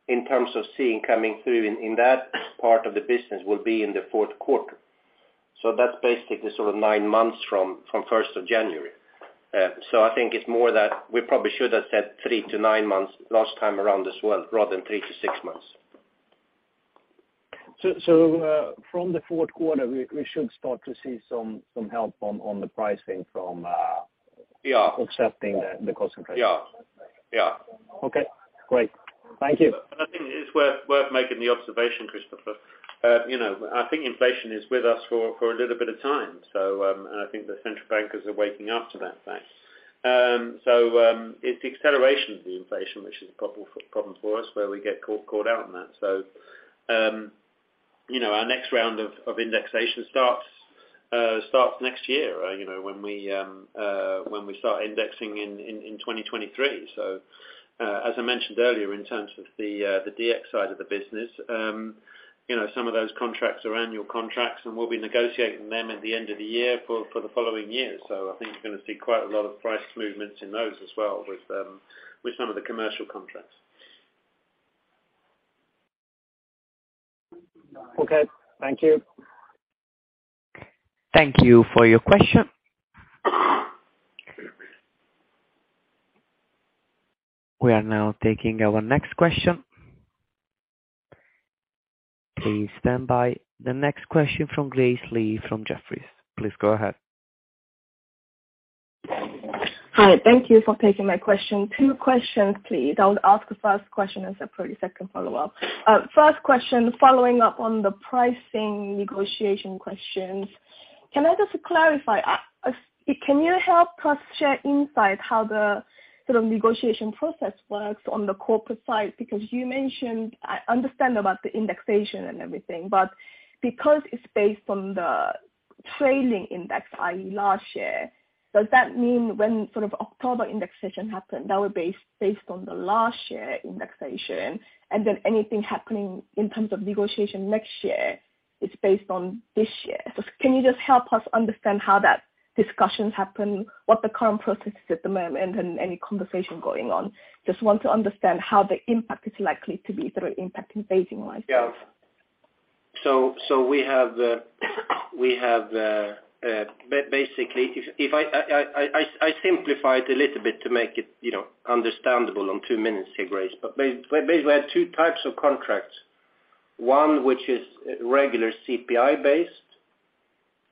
in terms of revenue coming through in that part of the business will be in the fourth quarter. So that's basically the sort of 9 months from first of January. I think it's more that we probably should have said 3-9 months last time around as well, rather than 3-6 months. From the fourth quarter, we should start to see some help on the pricing from. Yeah accepting the cost increase. Yeah. Yeah. Okay, great. Thank you. I think it's worth making the observation, Kristofer. You know, I think inflation is with us for a little bit of time. I think the central bankers are waking up to that fact. It's the acceleration of the inflation which is a problem for us, where we get caught out on that. You know, our next round of indexation starts next year, you know, when we start indexing in 2023. As I mentioned earlier, in terms of the DX side of the business, you know, some of those contracts are annual contracts, and we'll be negotiating them at the end of the year for the following year. I think you're gonna see quite a lot of price movements in those as well with some of the commercial contracts. Okay. Thank you. Thank you for your question. We are now taking our next question. Please stand by. The next question from Grace Lee from Jefferies, please go ahead. Hi. Thank you for taking my question. Two questions, please. I'll ask the first question and separately second follow-up. First question, following up on the pricing negotiation questions. Can I just clarify, can you help us share insight how the sort of negotiation process works on the corporate side? Because you mentioned, I understand about the indexation and everything, but because it's based on the trailing index, i.e., last year, does that mean when sort of October indexation happened, that was based on the last year indexation, and then anything happening in terms of negotiation next year, it's based on this year? So can you just help us understand how that discussions happen, what the current process is at the moment, and any conversation going on? Just want to understand how the impact is likely to be sort of impacting phasing-wise. Yeah. We have basically if I simplified a little bit to make it, you know, understandable in two minutes here, Grace. Basically, we have two types of contracts. One, which is regular CPI based,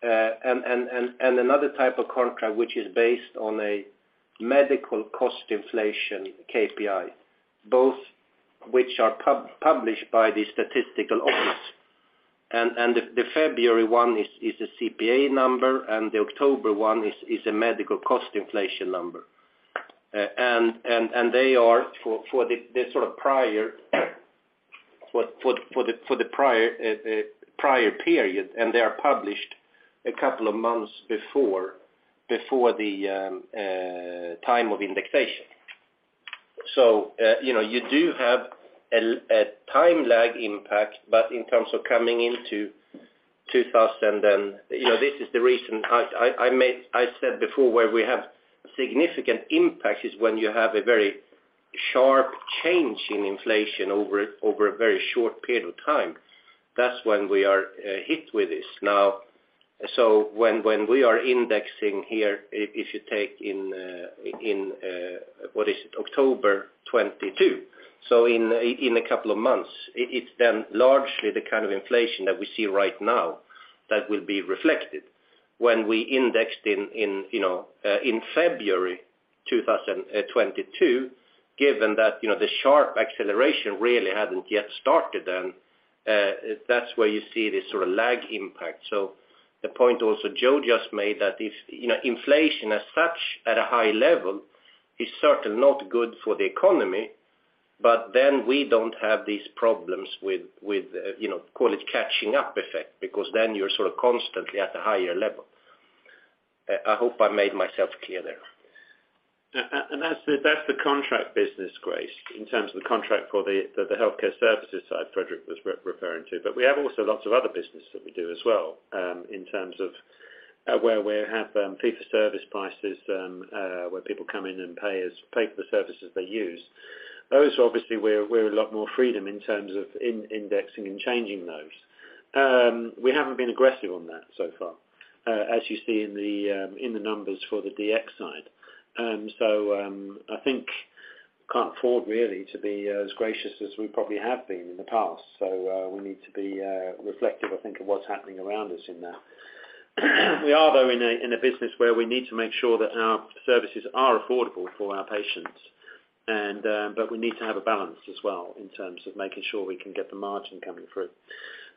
and another type of contract, which is based on a medical cost inflation KPI, both which are published by the statistical office. The February one is a CPI number, and the October one is a medical cost inflation number. They are for the sort of prior period, and they are published a couple of months before the time of indexation. You know, you do have a time lag impact, but in terms of coming into 2000 and. You know, this is the reason I said before, where we have significant impact is when you have a very sharp change in inflation over a very short period of time. That's when we are hit with this. Now, when we are indexing here, if you take in what is it? October 2022, so in a couple of months, it's then largely the kind of inflation that we see right now that will be reflected when we indexed in, you know, in February 2022, given that, you know, the sharp acceleration really hadn't yet started then, that's where you see this sort of lag impact. The point also Joe just made that if, you know, inflation as such at a high level is certainly not good for the economy, but then we don't have these problems with you know, call it catching up effect, because then you're sort of constantly at a higher level. I hope I made myself clear there. That's the contract business, Grace, in terms of the contract for the healthcare services side Fredrik was referring to. We have also lots of other business that we do as well, in terms of where we have fee-for-service prices, where people come in and pay for the services they use. Those obviously we have a lot more freedom in terms of indexing and changing those. We haven't been aggressive on that so far, as you see in the numbers for the DX side. I think we can't afford really to be as gracious as we probably have been in the past. We need to be reflective, I think, of what's happening around us in that. We are though in a business where we need to make sure that our services are affordable for our patients. But we need to have a balance as well in terms of making sure we can get the margin coming through.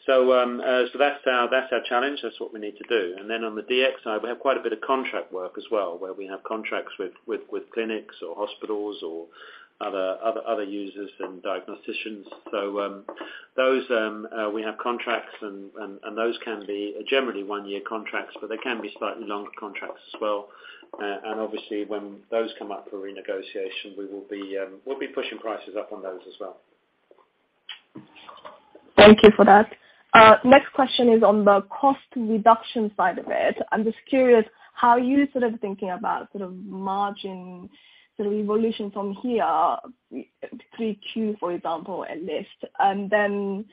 That's our challenge. That's what we need to do. Then on the DX side, we have quite a bit of contract work as well, where we have contracts with clinics or hospitals or other users and diagnosticians. Those we have contracts and those can be generally one-year contracts, but they can be slightly longer contracts as well. Obviously when those come up for renegotiation, we'll be pushing prices up on those as well. Thank you for that. Next question is on the cost reduction side of it. I'm just curious how you sort of thinking about sort of margin sort of evolution from here, Q3, for example, at least. And then,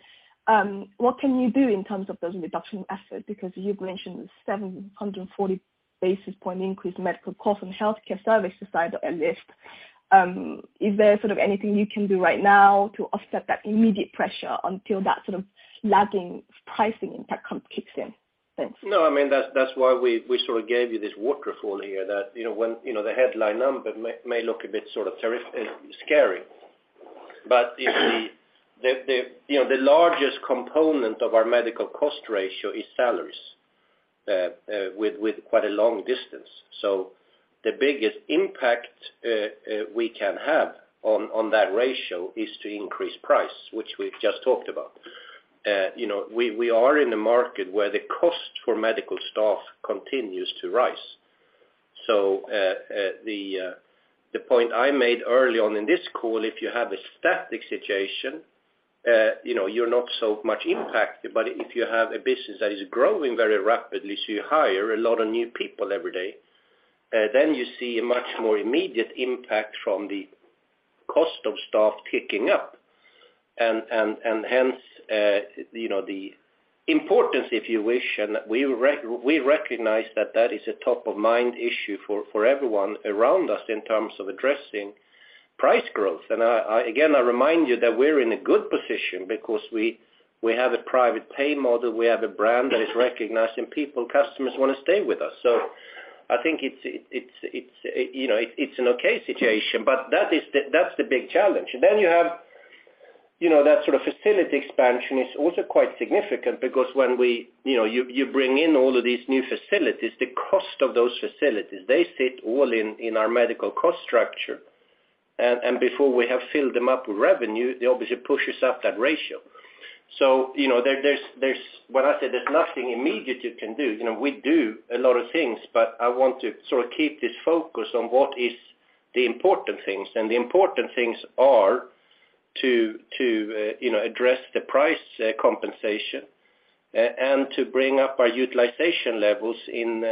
what can you do in terms of those reduction efforts? Because you've mentioned 740 basis point increase in medical costs on the healthcare services side at least. Is there sort of anything you can do right now to offset that immediate pressure until that sort of lagging pricing impact kicks in? Thanks. No, I mean, that's why we sort of gave you this waterfall here, that you know the headline number may look a bit sort of scary. If the, you know, the largest component of our medical cost ratio is salaries with quite a long distance. The biggest impact we can have on that ratio is to increase price, which we've just talked about. You know, we are in a market where the cost for medical staff continues to rise. The point I made early on in this call, if you have a static situation, you know, you're not so much impacted, but if you have a business that is growing very rapidly, so you hire a lot of new people every day, then you see a much more immediate impact from the cost of staff ticking up. Hence, you know, the importance, if you wish, and we recognize that that is a top-of-mind issue for everyone around us in terms of addressing price growth. I again remind you that we're in a good position because we have a private pay model, we have a brand that is recognized, and people, customers wanna stay with us. I think it's, you know, it's an okay situation, but that's the big challenge. You have, you know, that sort of facility expansion is also quite significant because when we, you know, you bring in all of these new facilities, the cost of those facilities, they sit all in our medical cost structure. And before we have filled them up with revenue, they obviously pushes up that ratio. You know, when I say there's nothing immediate you can do, you know, we do a lot of things, but I want to sort of keep this focus on what is the important things, and the important things are to you know, address the price compensation, and to bring up our utilization levels in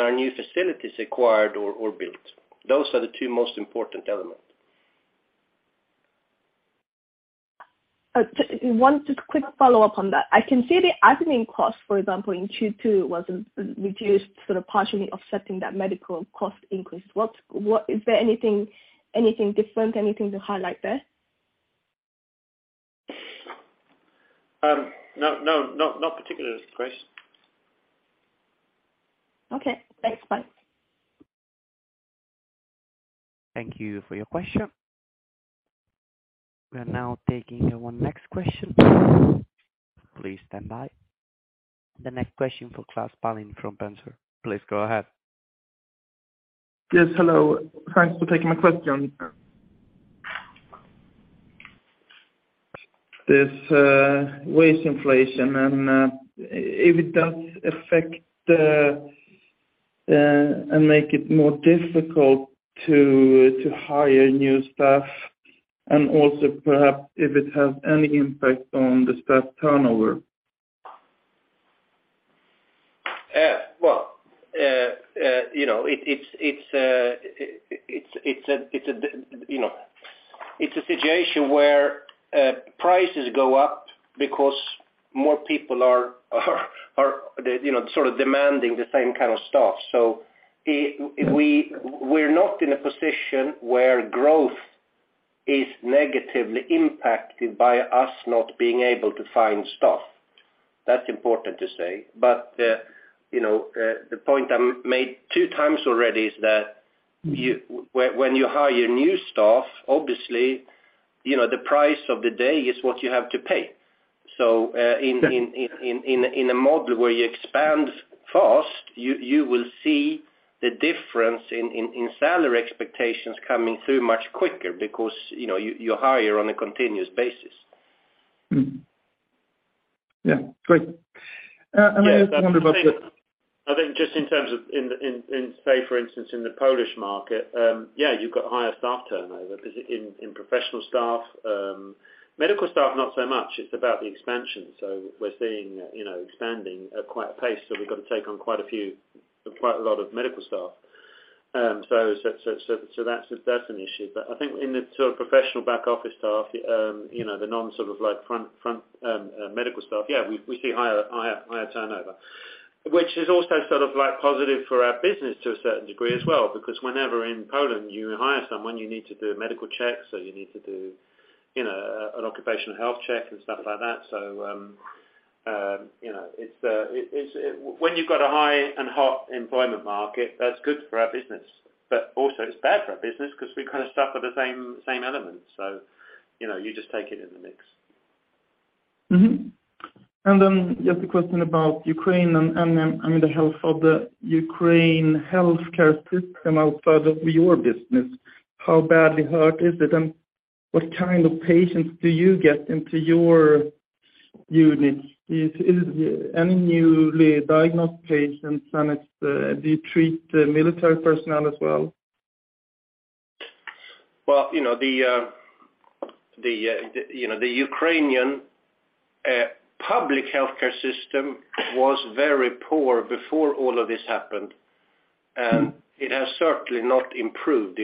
our new facilities acquired or built. Those are the two most important elements. Just one quick follow-up on that. I can see the admin cost, for example, in Q2 was reduced, sort of partially offsetting that medical cost increase. What? Is there anything different to highlight there? No, not particularly, Grace. Okay. Thanks, bye. Thank you for your question. We are now taking one next question. Please stand by. The next question for Klas Palin from Penser. Please go ahead. Yes, hello. Thanks for taking my question. This wage inflation and if it does affect and make it more difficult to hire new staff and also perhaps if it has any impact on the staff turnover. Yeah. Well, you know, it's a situation where prices go up because more people are, you know, sort of demanding the same kind of stuff. We're not in a position where growth is negatively impacted by us not being able to find staff. That's important to say. The point I made two times already is that when you hire new staff, obviously, you know, the price of the day is what you have to pay. In a model where you expand fast, you will see the difference in salary expectations coming through much quicker because, you know, you hire on a continuous basis. Yeah. Great. I mean, I wonder about the. I think just in terms of in say, for instance, in the Polish market, yeah, you've got higher staff turnover 'cause in professional staff, medical staff not so much, it's about the expansion. We're seeing, you know, expanding at quite a pace. We've got to take on quite a lot of medical staff. That's an issue. I think in the sort of professional back office staff, you know, the non sort of like front medical staff, yeah, we see higher turnover, which is also sort of like positive for our business to a certain degree as well, because whenever in Poland you hire someone, you need to do a medical check, so you need to do, you know, an occupational health check and stuff like that. you know, when you've got a high and hot employment market, that's good for our business. Also it's bad for our business 'cause we kinda suffer the same elements. You know, you just take it in the mix. Mm-hmm. Then just a question about Ukraine and the health of the Ukraine healthcare system outside of your business. How badly hurt is it? And what kind of patients do you get into your units? Is any newly diagnosed patients, and do you treat military personnel as well? Well, you know, the Ukrainian public healthcare system was very poor before all of this happened, and it has certainly not improved.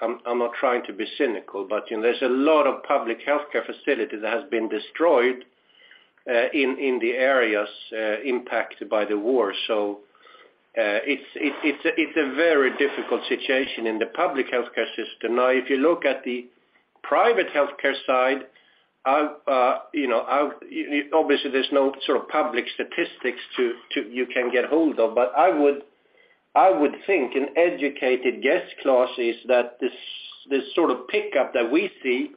I'm not trying to be cynical, but, you know, there's a lot of public healthcare facilities that has been destroyed in the areas impacted by the war. It's a very difficult situation in the public healthcare system. Now, if you look at the private healthcare side, obviously, there's no sort of public statistics that you can get hold of, but I would think an educated guess, Klas, is that this sort of pickup that we see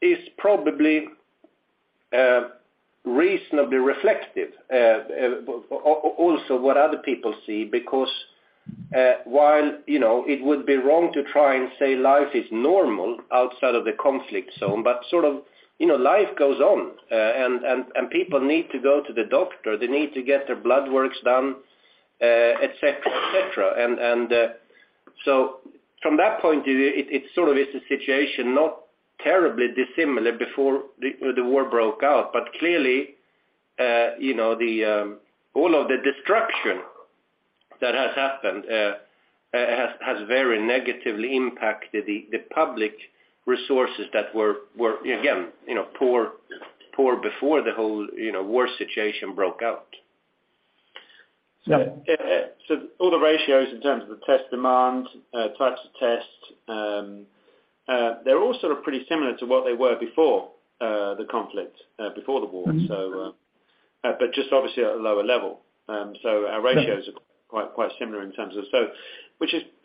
is probably reasonably reflective. also what other people see, because while you know it would be wrong to try and say life is normal outside of the conflict zone, but sort of you know life goes on and people need to go to the doctor, they need to get their bloodwork done, et cetera, et cetera. From that point of view it sort of is a situation not terribly dissimilar before the war broke out. Clearly you know all of the destruction that has happened has very negatively impacted the public resources that were again you know poor before the whole you know war situation broke out. Yeah. All the ratios in terms of the test demand, types of tests, they're all sort of pretty similar to what they were before the conflict, before the war. Mm-hmm. Just obviously at a lower level. Our ratios are quite similar in terms of.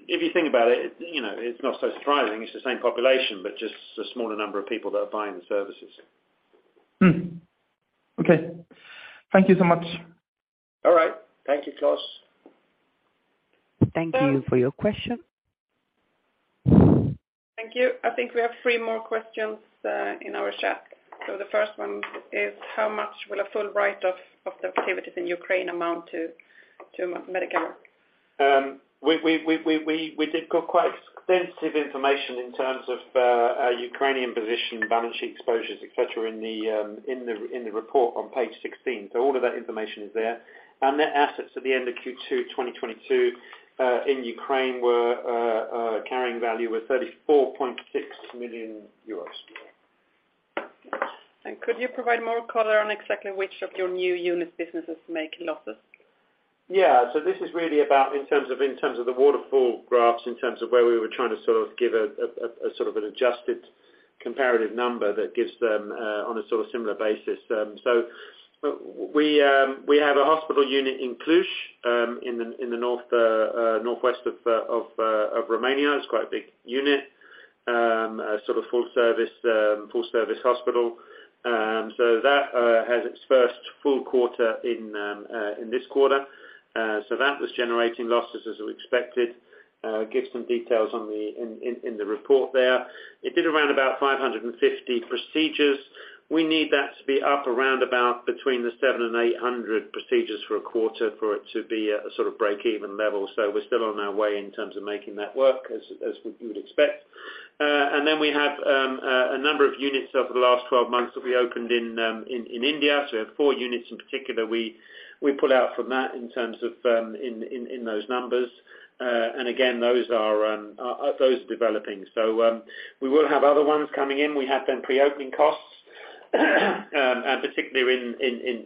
If you think about it, you know, it's not so surprising. It's the same population, but just a smaller number of people that are buying the services. Okay. Thank you so much. All right. Thank you, Klas. Thank you for your question. Thank you. I think we have three more questions in our chat. The first one is, how much will a full write off of the activities in Ukraine amount to Medicover? We did give quite extensive information in terms of our Ukrainian position balance sheet exposures, et cetera in the report on page 16. All of that information is there. Our assets at the end of Q2 2022 in Ukraine, carrying value was 34.6 million euros. Could you provide more color on exactly which of your new business units make losses? This is really about in terms of the waterfall graphs, in terms of where we were trying to sort of give a sort of an adjusted comparative number that gives them on a sort of similar basis. We have a hospital unit in Cluj in the northwest of Romania. It's quite a big unit. A sort of full service hospital. That has its first full quarter in this quarter. That was generating losses as we expected. It gives some details in the report there. It did around about 550 procedures. We need that to be up around about between 700 and 800 procedures for a quarter for it to be at a sort of break-even level. We're still on our way in terms of making that work as you would expect. Then we have a number of units over the last 12 months that we opened in India. We have four units in particular, we pull out from that in terms of those numbers. Again, those are developing. We will have other ones coming in. We have them pre-opening costs. Particularly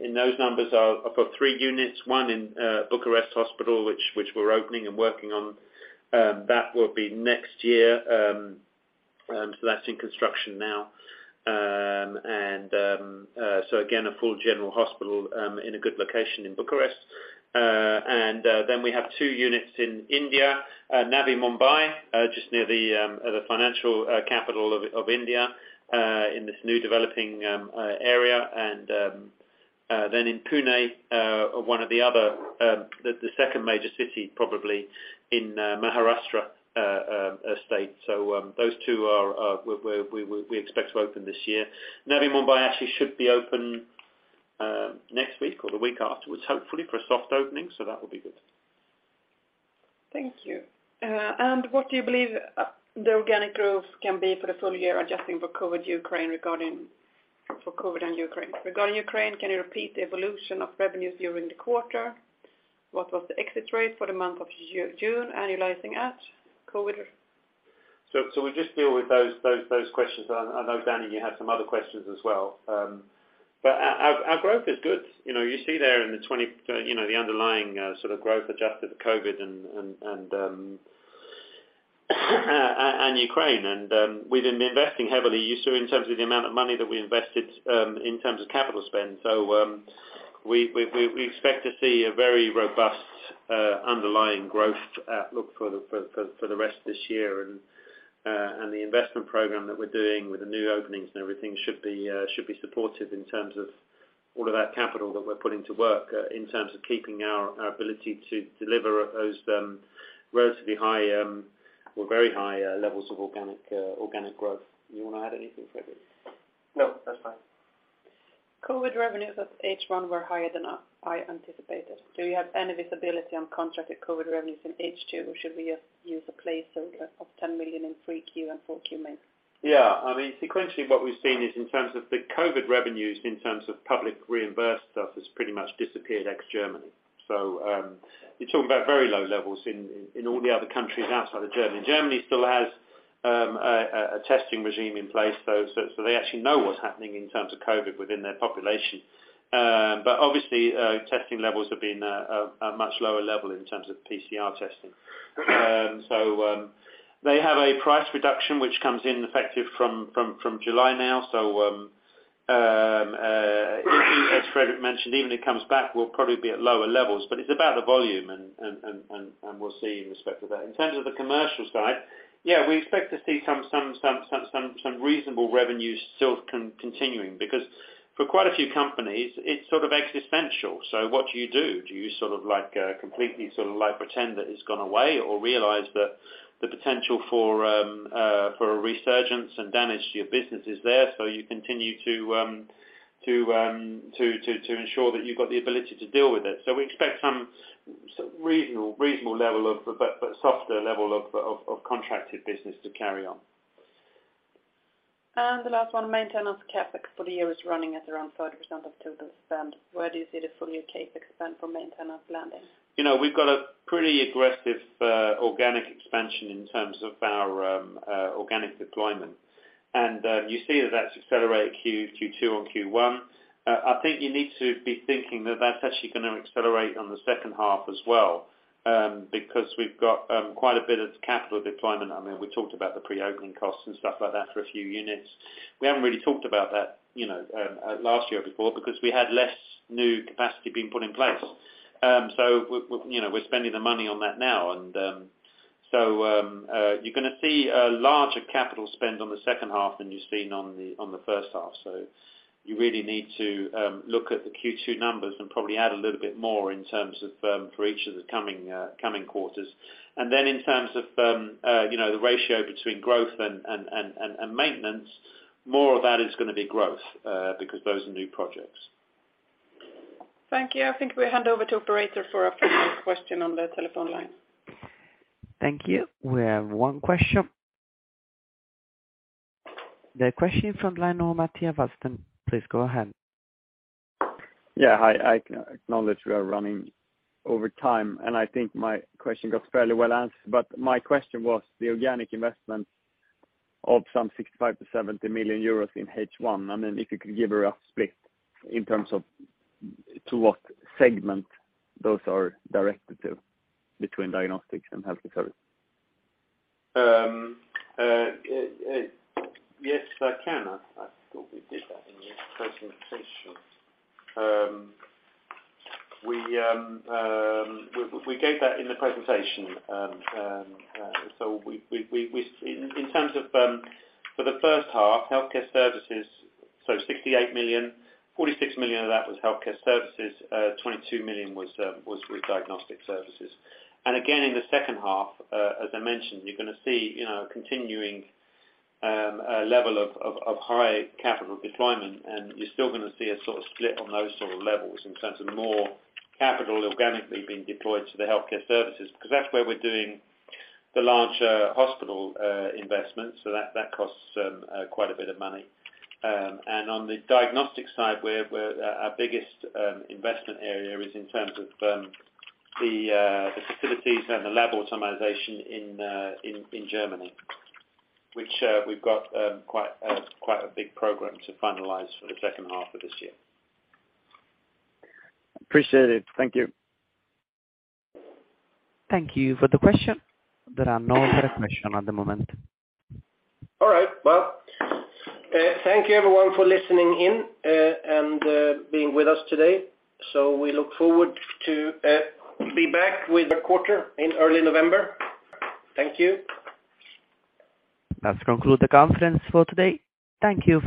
in those numbers are of three units, one in Bucharest Hospital, which we're opening and working on, that will be next year. That's in construction now. A full general hospital in a good location in Bucharest. We have two units in India, Navi Mumbai, just near the financial capital of India in this new developing area. In Pune, one of the other, the second major city probably in Maharashtra state. Those two, we expect to open this year. Navi Mumbai actually should be open next week or the week afterwards, hopefully for a soft opening. That will be good. Thank you. What do you believe the organic growth can be for the full year adjusting for COVID and Ukraine? Regarding Ukraine, can you repeat the evolution of revenues during the quarter? What was the exit rate for the month of June annualizing at COVID? We'll just deal with those questions. I know, Danny, you had some other questions as well. Our growth is good. You know, you see there in the twenty, you know, the underlying sort of growth adjusted for COVID and Ukraine. We've been investing heavily, you saw in terms of the amount of money that we invested in terms of capital spend. We expect to see a very robust underlying growth outlook for the rest of this year. The investment program that we're doing with the new openings and everything should be supportive in terms of all of that capital that we're putting to work in terms of keeping our ability to deliver those relatively high or very high levels of organic growth. You wanna add anything, Fredrik? No, that's fine. COVID revenues at H1 were higher than I anticipated. Do you have any visibility on contracted COVID revenues in H2, or should we just use a placeholder of 10 million in Q3 and Q4 mainly? Yeah. I mean, sequentially what we've seen is in terms of the COVID revenues, in terms of public reimbursed stuff has pretty much disappeared ex-Germany. You're talking about very low levels in all the other countries outside of Germany. Germany still has a testing regime in place. They actually know what's happening in terms of COVID within their population. But obviously, testing levels have been a much lower level in terms of PCR testing. As Fredrik mentioned, even if it comes back, we'll probably be at lower levels, but it's about the volume, and we'll see in respect to that. In terms of the commercial side, yeah, we expect to see some reasonable revenue still continuing because for quite a few companies, it's sort of existential. What do you do? Do you sort of like completely sort of like pretend that it's gone away or realize that the potential for a resurgence and damage to your business is there, so you continue to ensure that you've got the ability to deal with it. We expect some reasonable, but softer level of contracted business to carry on. The last one, maintenance CapEx for the year is running at around 30% of total spend. Where do you see the full-year CapEx spend for maintenance landing? You know, we've got a pretty aggressive organic expansion in terms of our organic deployment. You see that that's accelerated Q2 on Q1. I think you need to be thinking that that's actually gonna accelerate on the second half as well, because we've got quite a bit of capital deployment. I mean, we talked about the pre-opening costs and stuff like that for a few units. We haven't really talked about that, you know, last year before because we had less new capacity being put in place. You know, we're spending the money on that now. You're gonna see a larger capital spend on the second half than you've seen on the first half. You really need to look at the Q2 numbers and probably add a little bit more in terms of for each of the coming quarters. In terms of you know the ratio between growth and maintenance, more of that is gonna be growth because those are new projects. Thank you. I think we hand over to the operator for a few more questions on the telephone line. Thank you. We have one question. The question from line of Mattias Wallström. Please go ahead. Yeah. I acknowledge we are running over time, and I think my question got fairly well answered. My question was the organic investment of some 65-70 million euros in H1, I mean, if you could give a rough split in terms of to what segment those are directed to between diagnostics and healthcare. Yes, I can. I thought we did that in the presentation. We gave that in the presentation. So, in terms of for the first half, healthcare services, so 68 million, 46 million of that was healthcare services, 22 million was with diagnostic services. Again, in the second half, as I mentioned, you're gonna see, you know, continuing level of high capital deployment, and you're still gonna see a sort of split on those sort of levels in terms of more capital organically being deployed to the healthcare services because that's where we're doing the larger hospital investment, so that costs quite a bit of money. On the diagnostic side, our biggest investment area is in terms of the facilities and the lab automation in Germany, which we've got quite a big program to finalize for the second half of this year. Appreciate it. Thank you. Thank you for the question. There are no other questions at the moment. All right. Well, thank you everyone for listening in, and being with us today. We look forward to be back with the quarter in early November. Thank you. That concludes the conference for today. Thank you.